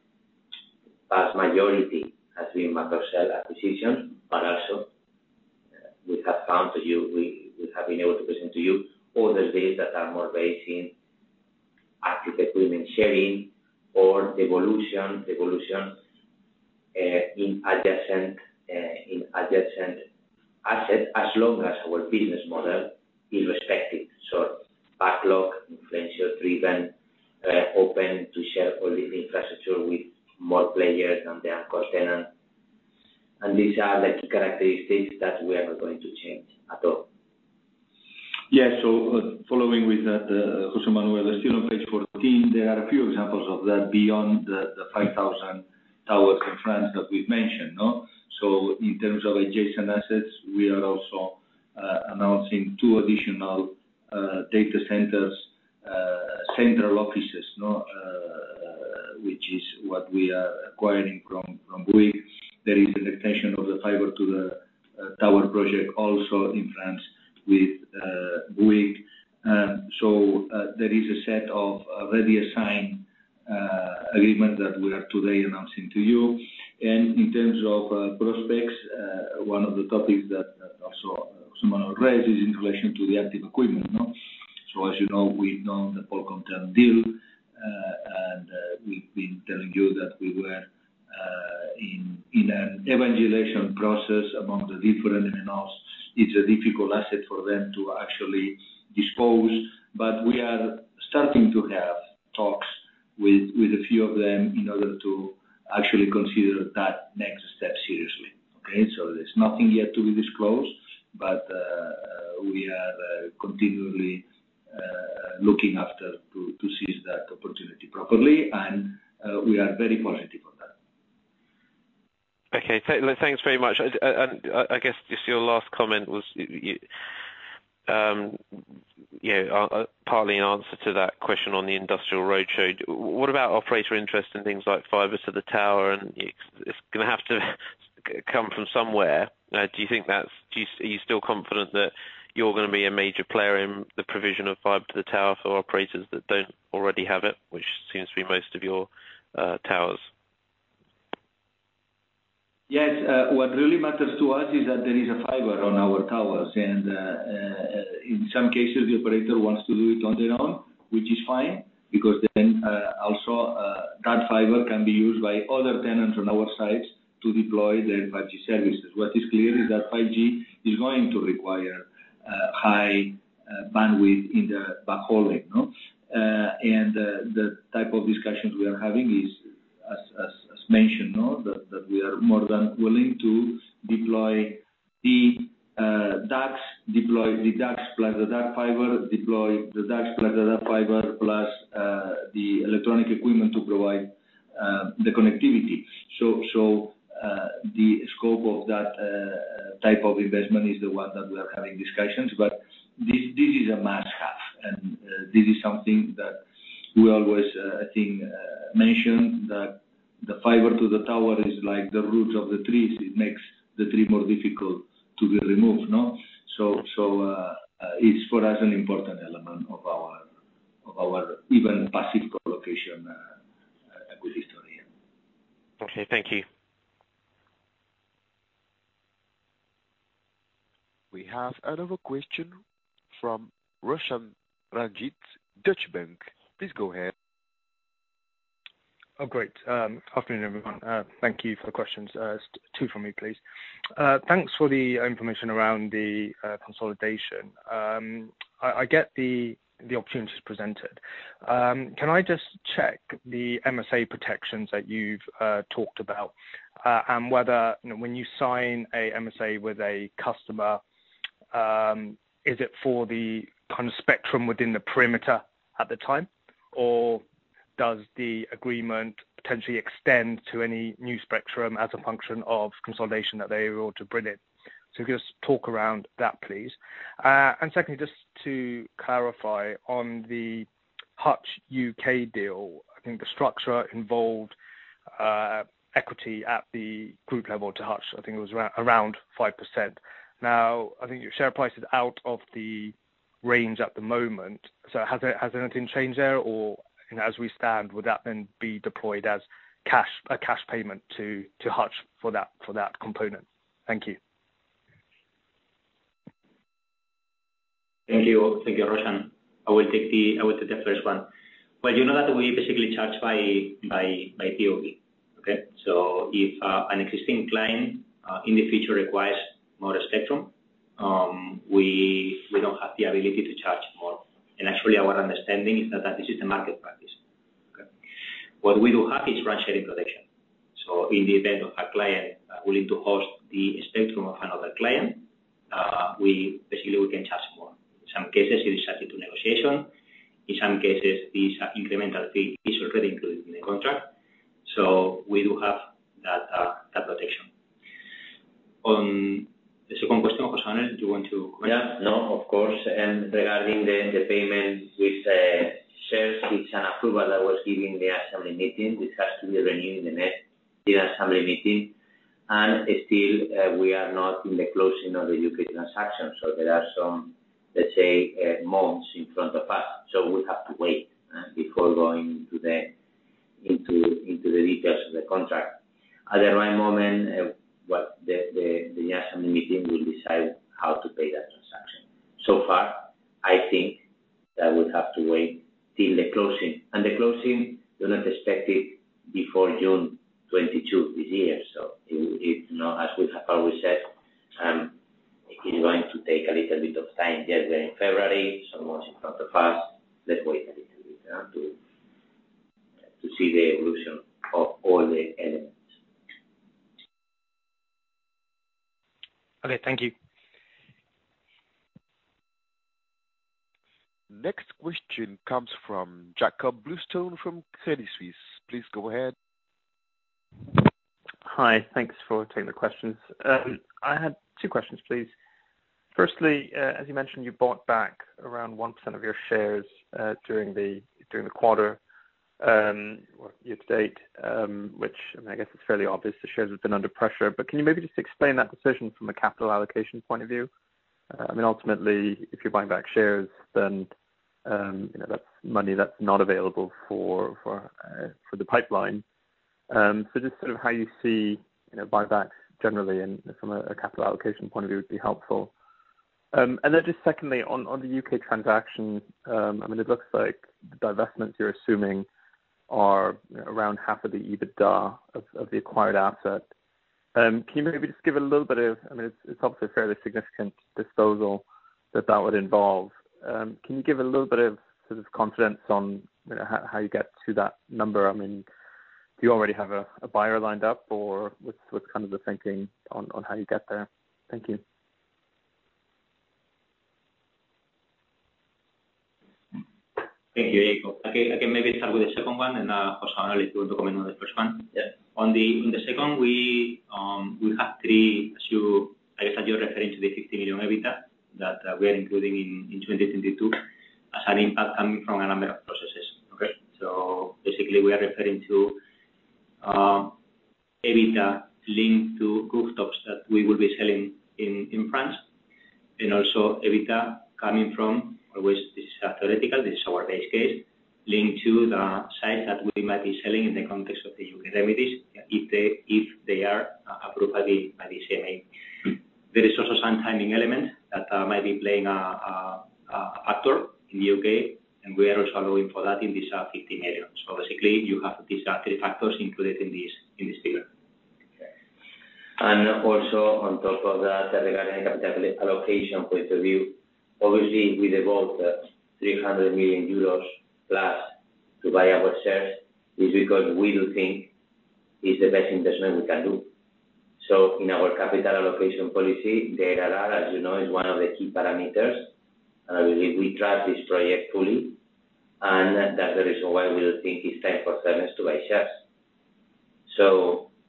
Speaker 3: vast majority has been macro cell acquisitions. Also we have come to you, we have been able to present to you all the deals that are more based in active equipment sharing or evolution in adjacent assets, as long as our business model is respected. Backlog inflation driven, open to share all the infrastructure with more players and the anchor tenant. These are the characteristics that we are not going to change at all.
Speaker 6: Following with José Manuel, still on page 14, there are a few examples of that beyond the 5,000 towers in France that we've mentioned. In terms of adjacent assets, we are also announcing two additional data centers, central offices, which is what we are acquiring from Bouygues. There is the extension of the fiber to the tower project also in France with Bouygues. There is a set of already signed agreement that we are today announcing to you. In terms of prospects, one of the topics that also someone raised is in relation to the active equipment. As you know, we've done the full content deal, and we've been telling you that we were in an evangelization process among the different MNOs. It's a difficult asset for them to actually dispose, but we are starting to have talks with a few of them in order to actually consider that next step seriously. Okay? There's nothing yet to be disclosed, but we are continually looking to seize that opportunity properly, and we are very positive on that.
Speaker 12: Okay. Thanks very much. I guess just your last comment was, Yeah, partly an answer to that question on the institutional roadshow. What about operator interest in things like fiber to the tower and it's going to have to come from somewhere. Are you still confident that you're going to be a major player in the provision of fiber to the tower for operators that don't already have it, which seems to be most of your towers?
Speaker 6: Yes. What really matters to us is that there is a fiber on our towers. In some cases, the operator wants to do it on their own, which is fine, because then also that fiber can be used by other tenants on our sites to deploy their 5G services. What is clear is that 5G is going to require high bandwidth in the backhaul link, no? The type of discussions we are having is as mentioned, no? That we are more than willing to deploy the ducts plus the duct fiber plus the electronic equipment to provide the connectivity. The scope of that type of investment is the one that we are having discussions. This is a must have, and this is something that we always, I think, mention that the fiber to the tower is like the roots of the trees. It makes the tree more difficult to be removed, no? It's for us an important element of our even passive co-location acquisition.
Speaker 12: Okay, thank you.
Speaker 4: We have another question from Roshan Ranjit, Deutsche Bank. Please go ahead.
Speaker 13: Oh, great. Afternoon, everyone. Thank you for the questions. Two from me, please. Thanks for the information around the consolidation. I get the opportunities presented. Can I just check the MSA protections that you've talked about, and whether, you know, when you sign a MSA with a customer, is it for the kind of spectrum within the perimeter at the time? Or does the agreement potentially extend to any new spectrum as a function of consolidation that they ought to bring it? So just talk around that, please. And secondly, just to clarify on the Hutch UK deal, I think the structure involved equity at the group level to Hutch. I think it was around 5%. Now, I think your share price is out of the range at the moment. Has anything changed there? Or, you know, as we stand, would that then be deployed as cash, a cash payment to Hutch for that component? Thank you.
Speaker 2: Thank you. Thank you, Roshan. I will take the first one. Well, you know that we basically charge by PoP, okay? So if an existing client in the future requires more spectrum, we don't have the ability to charge more. Actually, our understanding is that this is the market practice, okay? What we do have is rent sharing protection. So in the event of a client willing to host the spectrum of another client, we basically can charge more. In some cases, it is subject to negotiation. In some cases, these incremental fee is already included in the contract. So we do have that protection. On the second question, José, do you want to comment?
Speaker 3: Yeah, no, of course. Regarding the payment with shares, it's an approval that was given in the assembly meeting. This has to be renewed in the next year assembly meeting. Still, we are not in the closing of the U.K. transaction. There are some, let's say, months in front of us. We have to wait before going into the details of the contract. At the right moment, what the assembly meeting will decide how to pay that transaction. So far, I think that we have to wait till the closing. The closing, we're not expected before June 22, 2022. It will be, you know, as we have always said, it is going to take a little bit of time. Yes, we're in February, some months in front of us. Let's wait a little bit to see the evolution of all the elements.
Speaker 13: Okay, thank you.
Speaker 4: Next question comes from Jakob Bluestone from Credit Suisse. Please go ahead.
Speaker 14: Hi. Thanks for taking the questions. I had two questions, please. Firstly, as you mentioned, you bought back around 1% of your shares, during the quarter, well, year to date, which I guess it's fairly obvious the shares have been under pressure. Can you maybe just explain that decision from a capital allocation point of view? I mean, ultimately, if you're buying back shares then, you know, that's money that's not available for the pipeline. Just sort of how you see, you know, buyback generally and from a capital allocation point of view would be helpful. Then just secondly, on the U.K. transaction, I mean, it looks like the divestments you're assuming are around half of the EBITDA of the acquired asset. Can you maybe just give a little bit of I mean, it's obviously a fairly significant disposal that would involve. Can you give a little bit of sort of confidence on, you know, how you get to that number? I mean, do you already have a buyer lined up or what's kind of the thinking on how you get there? Thank you.
Speaker 2: Thank you, Jakob. Okay, I can maybe start with the second one, and José Manuel will comment on the first one.
Speaker 3: Yeah.
Speaker 2: On the second, we have three issues. I guess that you're referring to the 50 million EBITDA that we are including in 2022 as an impact coming from a number of processes. Okay? Basically, we are referring to EBITDA linked to rooftop that we will be selling in France, and also EBITDA coming from, which is hypothetical, this is our base case, linked to the site that we might be selling in the context of the U.K. remedies if they are approved by the CMA. There is also some timing element that might be playing a factor in the U.K., and we are also allowing for that in this 15 million. Basically, you have these three factors included in this figure. Also on top of that, regarding capital allocation point of view, obviously we devote 300 million euros plus to buy our shares is because we do think it's the best investment we can do. In our capital allocation policy, IRR, as you know, is one of the key parameters. I believe we track this project fully, and that's the reason why we think it's time for Cellnex to buy shares.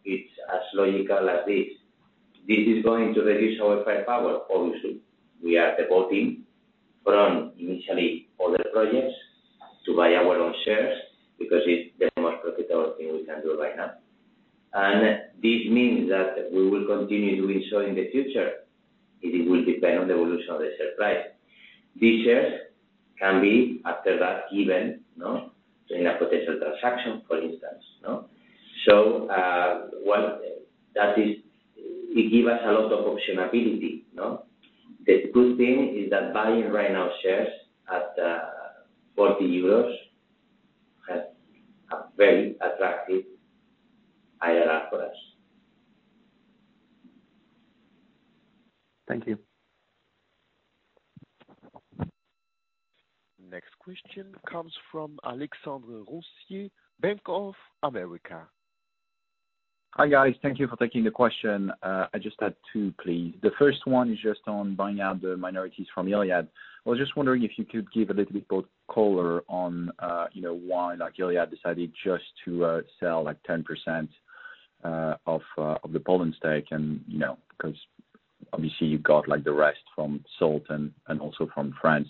Speaker 2: It's as logical as this. This is going to reduce our leverage, obviously. We are diverting from initial other projects to buy our own shares because it's the most profitable thing we can do right now. This means that we will continue doing so in the future. It will depend on the evolution of the share price. These shares can thereafter be given, you know, during a potential transaction, for instance, you know. That gives us a lot of optionality, you know? The good thing is that buying right now shares at 40 euros has a very attractive IRR for us.
Speaker 14: Thank you.
Speaker 4: Next question comes from Alexandre Ronciere, Bank of America.
Speaker 15: Hi, guys. Thank you for taking the question. I just had two, please. The first one is just on buying out the minorities from Iliad. I was just wondering if you could give a little bit more color on, you know, why, like, Iliad decided just to sell, like, 10% of the Poland stake and, you know, 'cause obviously you got, like, the rest from Salt and also from France.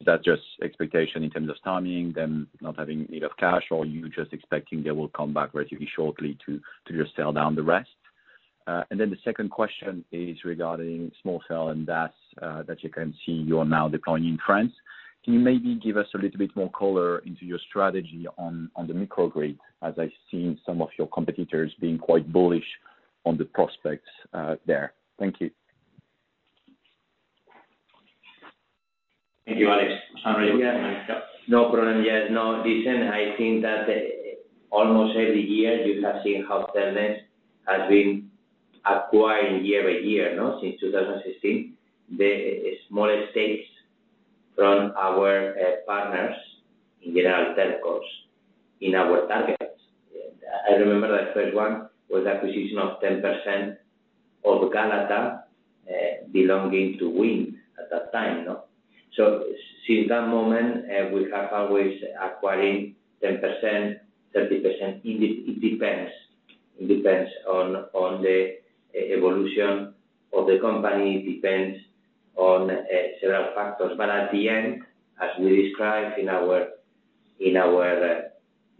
Speaker 15: Is that just expectation in terms of timing, them not having need of cash, or are you just expecting they will come back relatively shortly to just sell down the rest? And then the second question is regarding small cell and DAS that you can see you are now deploying in France. Can you maybe give us a little bit more color into your strategy on the microgrid, as I've seen some of your competitors being quite bullish on the prospects there? Thank you.
Speaker 2: Thank you, Àlex. José Manuel?
Speaker 3: No problem. Listen, I think that almost every year you have seen how Cellnex has been acquiring year by year, no, since 2016, the small stakes from our partners in general telcos in our targets. I remember the first one was acquisition of 10% of Galata, belonging to WIND at that time, you know? Since that moment, we have always acquiring 10%, 30%. It depends. It depends on the evolution of the company, it depends on several factors. But at the end, as we described in our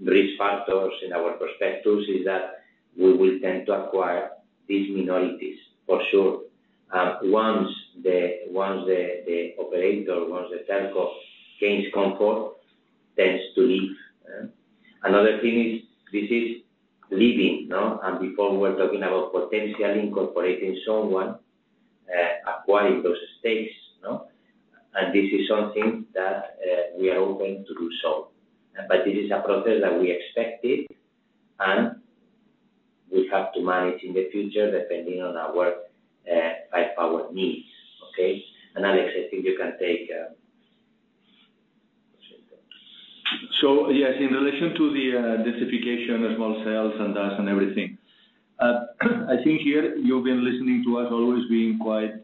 Speaker 3: risk factors, in our perspectives, is that we will tend to acquire these minorities for sure. Once the telco gains comfort, tends to leave. Another thing is this is leaving, no? Before we were talking about potentially incorporating someone, acquiring those stakes, no? This is something that we are open to do so. This is a process that we expected, and we have to manage in the future depending on our 5G power needs, okay? Àlex, I think you can take.
Speaker 6: Yes, in relation to the densification of small cells and DAS and everything, I think here you've been listening to us always being quite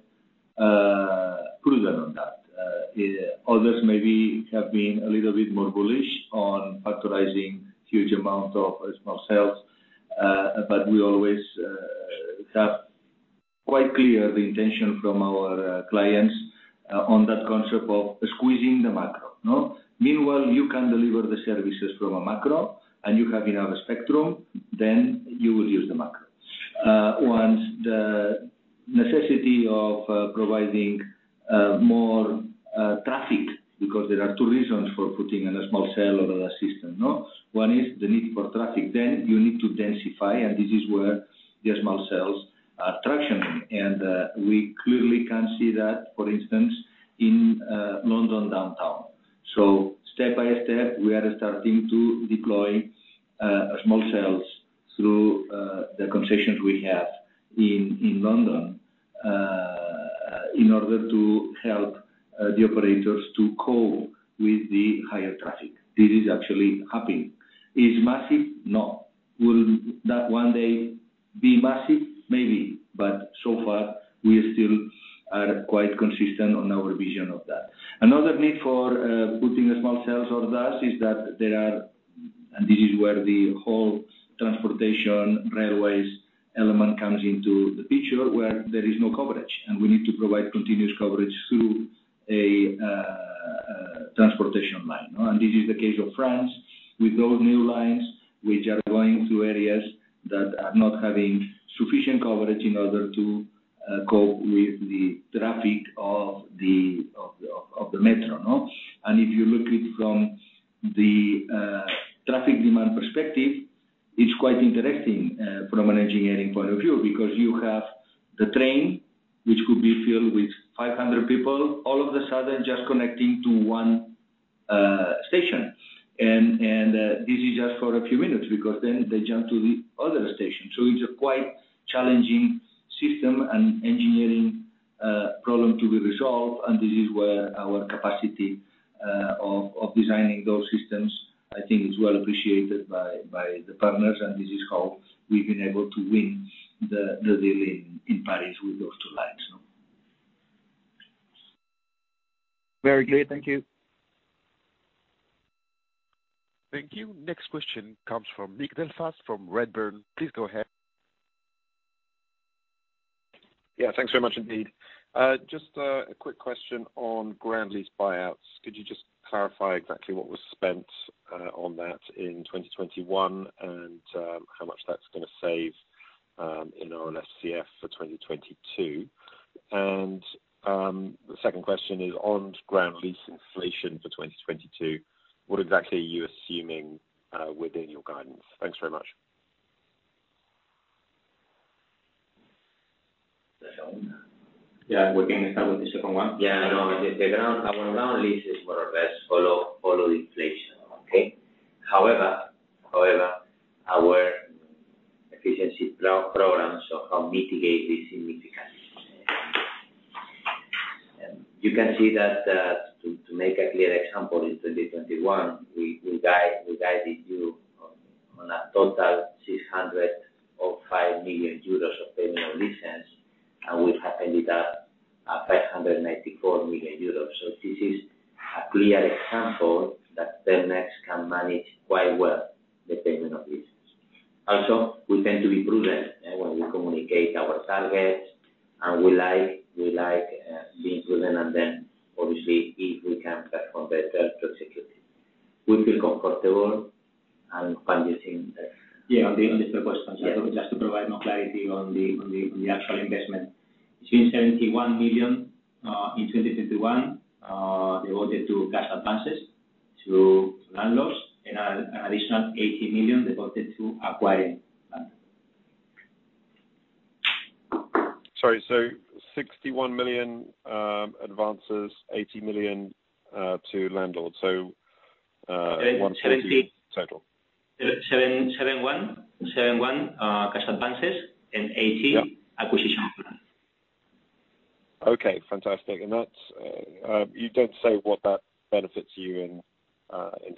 Speaker 6: prudent on that. Others maybe have been a little bit more bullish on forecasting huge amounts of small cells, but we always have quite clear the intention from our clients on that concept of squeezing the macro, no? Meanwhile, you can deliver the services from a macro, and you have enough spectrum, then you will use the macro. Once the necessity of providing more traffic, because there are two reasons for putting in a small cell or other system, no? One is the need for traffic, then you need to densify, and this is where the small cells are gaining traction. We clearly can see that, for instance, in London downtown. Step by step, we are starting to deploy small cells through the concessions we have in London in order to help the operators to cope with the higher traffic. This is actually happening. Is massive? No. Will that one day be massive? Maybe. But so far, we still are quite consistent on our vision of that. Another need for putting the small cells on that is that there are. This is where the whole transportation railways element comes into the picture, where there is no coverage, and we need to provide continuous coverage through a transportation line. This is the case of France with those new lines which are going to areas that are not having sufficient coverage in order to cope with the traffic of the metro. If you look at it from the traffic demand perspective, it's quite interesting from an engineering point of view, because you have the train, which could be filled with 500 people all of a sudden just connecting to one station. This is just for a few minutes because then they jump to the other station. It's quite a challenging systems engineering problem to be resolved. This is where our capacity of designing those systems, I think, is well appreciated by the partners, and this is how we've been able to win the deal in Paris with those two lines.
Speaker 15: Very clear. Thank you.
Speaker 4: Thank you. Next question comes from Nick Delfas from Redburn. Please go ahead.
Speaker 7: Yeah, thanks very much indeed. Just a quick question on ground lease buyouts. Could you just clarify exactly what was spent on that in 2021 and how much that's going to save in our SCF for 2022? The second question is on ground lease inflation for 2022, what exactly are you assuming within your guidance? Thanks very much.
Speaker 6: Yeah, we can start with the second one.
Speaker 3: Yeah. No, our ground leases more or less follow inflation. Okay. However, our efficiency programs have mitigated this significantly. You can see that, to make a clear example, in 2021, we guided you on a total 605 million euros of payment of leases, and we have ended up at 594 million euros. This is a clear example that Cellnex can manage quite well the payment of leases. Also, we tend to be prudent when we communicate our targets, and we like being prudent. Obviously, if we can perform better to execute, we feel comfortable and find it in there.
Speaker 6: Yeah. On the first question, just to provide more clarity on the actual investment. It's been 71 million in 2021 devoted to cash advances to landlords and an additional 80 million devoted to acquiring land.
Speaker 16: Sorry. 61 million advances, 80 million to landlords. 140 million total.
Speaker 6: 71 cash advances and 80 acquisition plan.
Speaker 16: Okay, fantastic. That's you don't say what that benefits you in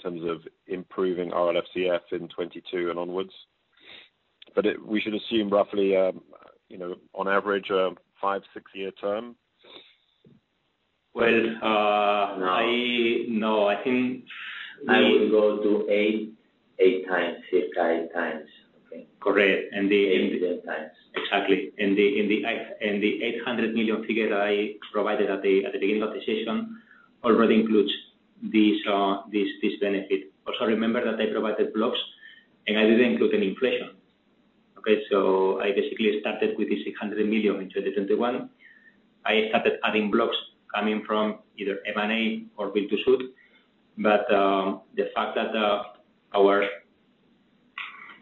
Speaker 16: terms of improving our LFCF in 2022 and onwards. We should assume roughly, you know, on average a five, six year term?
Speaker 6: Well, no, I think.
Speaker 3: I would go to 8x. 6x-8x. Okay.
Speaker 6: Correct.
Speaker 3: 8x-10x.
Speaker 6: Exactly. The 800 million figure that I provided at the beginning of the session already includes this benefit. Also remember that I provided blocks, and I didn't include any inflation. Okay? I basically started with the 600 million in 2021. I started adding blocks coming from either M&A or build-to-suit. The fact that our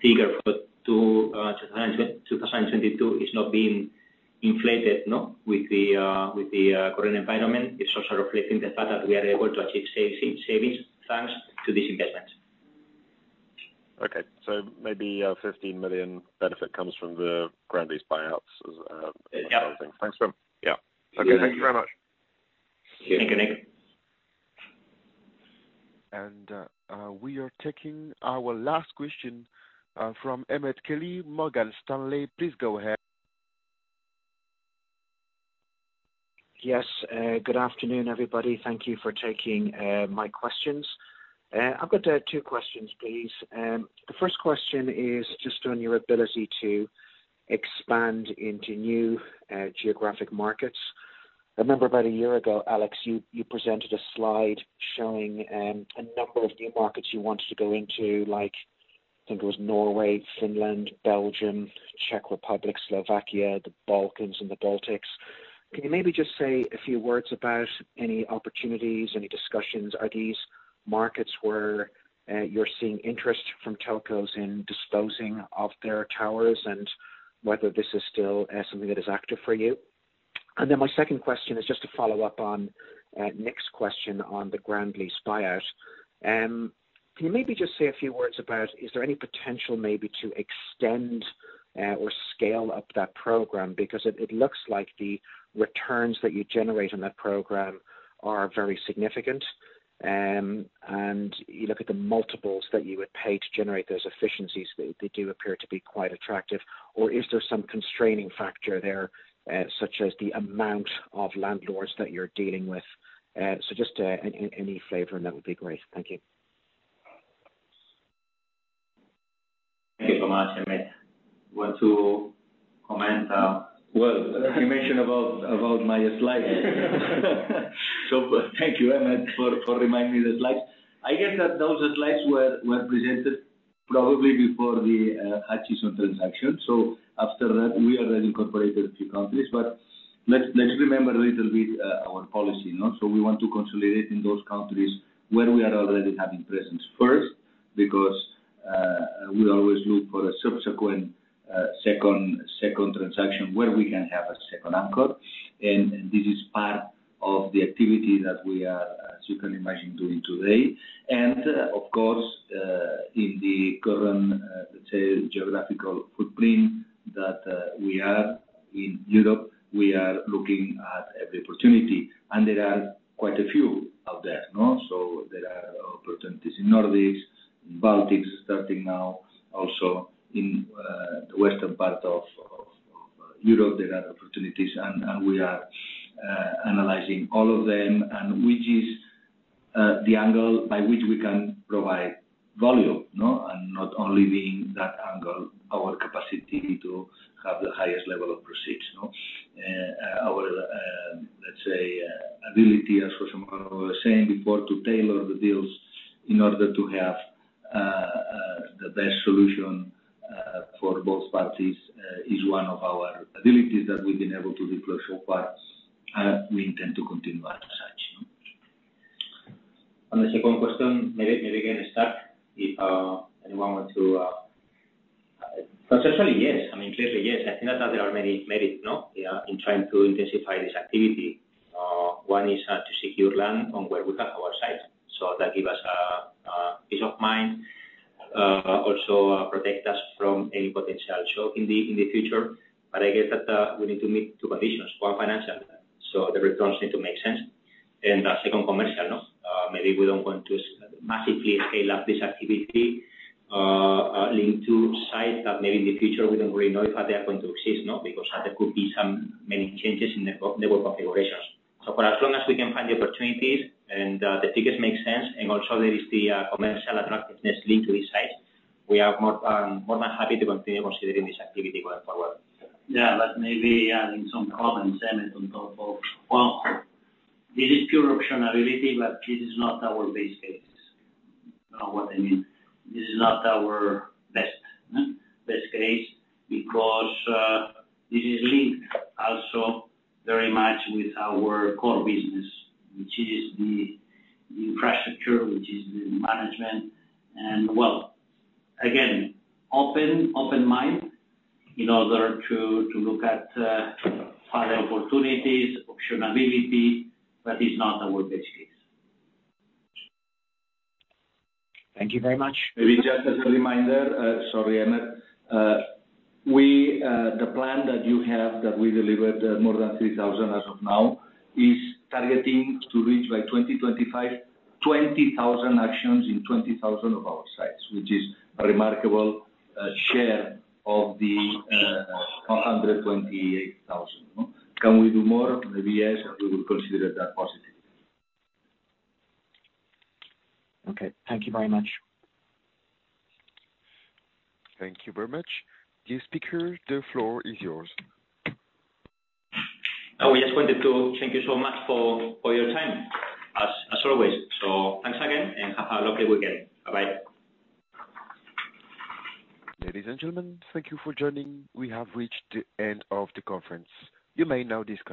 Speaker 6: figure for 2022 is not being inflated with the current environment is also reflecting the fact that we are able to achieve savings thanks to these investments.
Speaker 16: Maybe 15 million benefit comes from the ground lease buyouts as.
Speaker 6: Yeah.
Speaker 16: Thanks.
Speaker 6: Yeah. Okay. Thank you very much. Thank you, Nick.
Speaker 4: We are taking our last question from Emmet Kelly, Morgan Stanley. Please go ahead.
Speaker 17: Yes. Good afternoon, everybody. Thank you for taking my questions. I've got two questions, please. The first question is just on your ability to expand into new geographic markets. I remember about a year ago, Àlex, you presented a slide showing a number of new markets you wanted to go into, like, I think it was Norway, Finland, Belgium, Czech Republic, Slovakia, the Balkans, and the Baltics. Can you maybe just say a few words about any opportunities, any discussions? Are these markets where you're seeing interest from telcos in disposing of their towers and whether this is still something that is active for you? My second question is just to follow up on Nick's question on the ground lease buyout. Can you maybe just say a few words about is there any potential maybe to extend or scale up that program? Because it looks like the returns that you generate on that program are very significant. You look at the multiples that you would pay to generate those efficiencies, they do appear to be quite attractive. Or is there some constraining factor there, such as the amount of landlords that you are dealing with? Just any flavor on that would be great. Thank you.
Speaker 6: Thank you so much, Emmet. Want to comment, Well, you mentioned about my slides. Thank you, Emmet, for reminding me the slides. I guess that those slides were presented probably before the Hutchison transaction. After that, we have already incorporated a few countries. Let's remember a little bit our policy, no? We want to consolidate in those countries where we are already having presence first because we always look for a subsequent second transaction where we can have a second anchor. This is part of the activity that we are, as you can imagine, doing today. Of course, in the current, let's say geographical footprint that we have in Europe, we are looking at every opportunity, and there are quite a few out there, no? There are opportunities in Nordics, Baltics starting now, also in the western part of Europe. There are opportunities and we are analyzing all of them and which is the angle by which we can provide volume, no? And not only being that angle, our capacity to have the highest level of proceeds, no? Our, let's say, ability, as José Manuel was saying before, to tailor the deals in order to have the best solution for both parties is one of our abilities that we've been able to deploy so far, and we intend to continue as such.
Speaker 3: On the second question, potentially, yes. I mean, clearly, yes. I think that there are many merits in trying to intensify this activity. One is to secure land where we have our sites. That gives us peace of mind. Also protects us from any potential shock in the future. I guess that we need to meet two conditions. One, financial. The returns need to make sense. Second, commercial. Maybe we don't want to massively scale up this activity linked to sites that maybe in the future we don't really know if they are going to exist, because there could be so many changes in the core network configurations. For as long as we can find the opportunities and the tickets make sense, and also there is the commercial attractiveness linked to these sites, we are more than happy to continue considering this activity going forward.
Speaker 6: Yeah, maybe adding some comments, Emmet, on top of. Well, this is pure optionality, but this is not our base case. You know what I mean? This is not our best case because this is linked also very much with our core business, which is the infrastructure, which is the management. Well, again, open mind in order to look at other opportunities, optionality, but it's not our base case.
Speaker 17: Thank you very much.
Speaker 6: Maybe just as a reminder, sorry, Emmett, the plan that you have that we delivered more than 3,000 as of now is targeting to reach by 2025, 20,000 actions in 20,000 of our sites, which is a remarkable share of the 128,000, no? Can we do more? Maybe yes, and we will consider that positive.
Speaker 17: Okay. Thank you very much.
Speaker 4: Thank you very much. Dear speakers, the floor is yours.
Speaker 1: We just wanted to thank you so much for your time as always. Thanks again, and have a lovely weekend. Bye-bye.
Speaker 4: Ladies and gentlemen, thank you for joining. We have reached the end of the conference. You may now disconnect.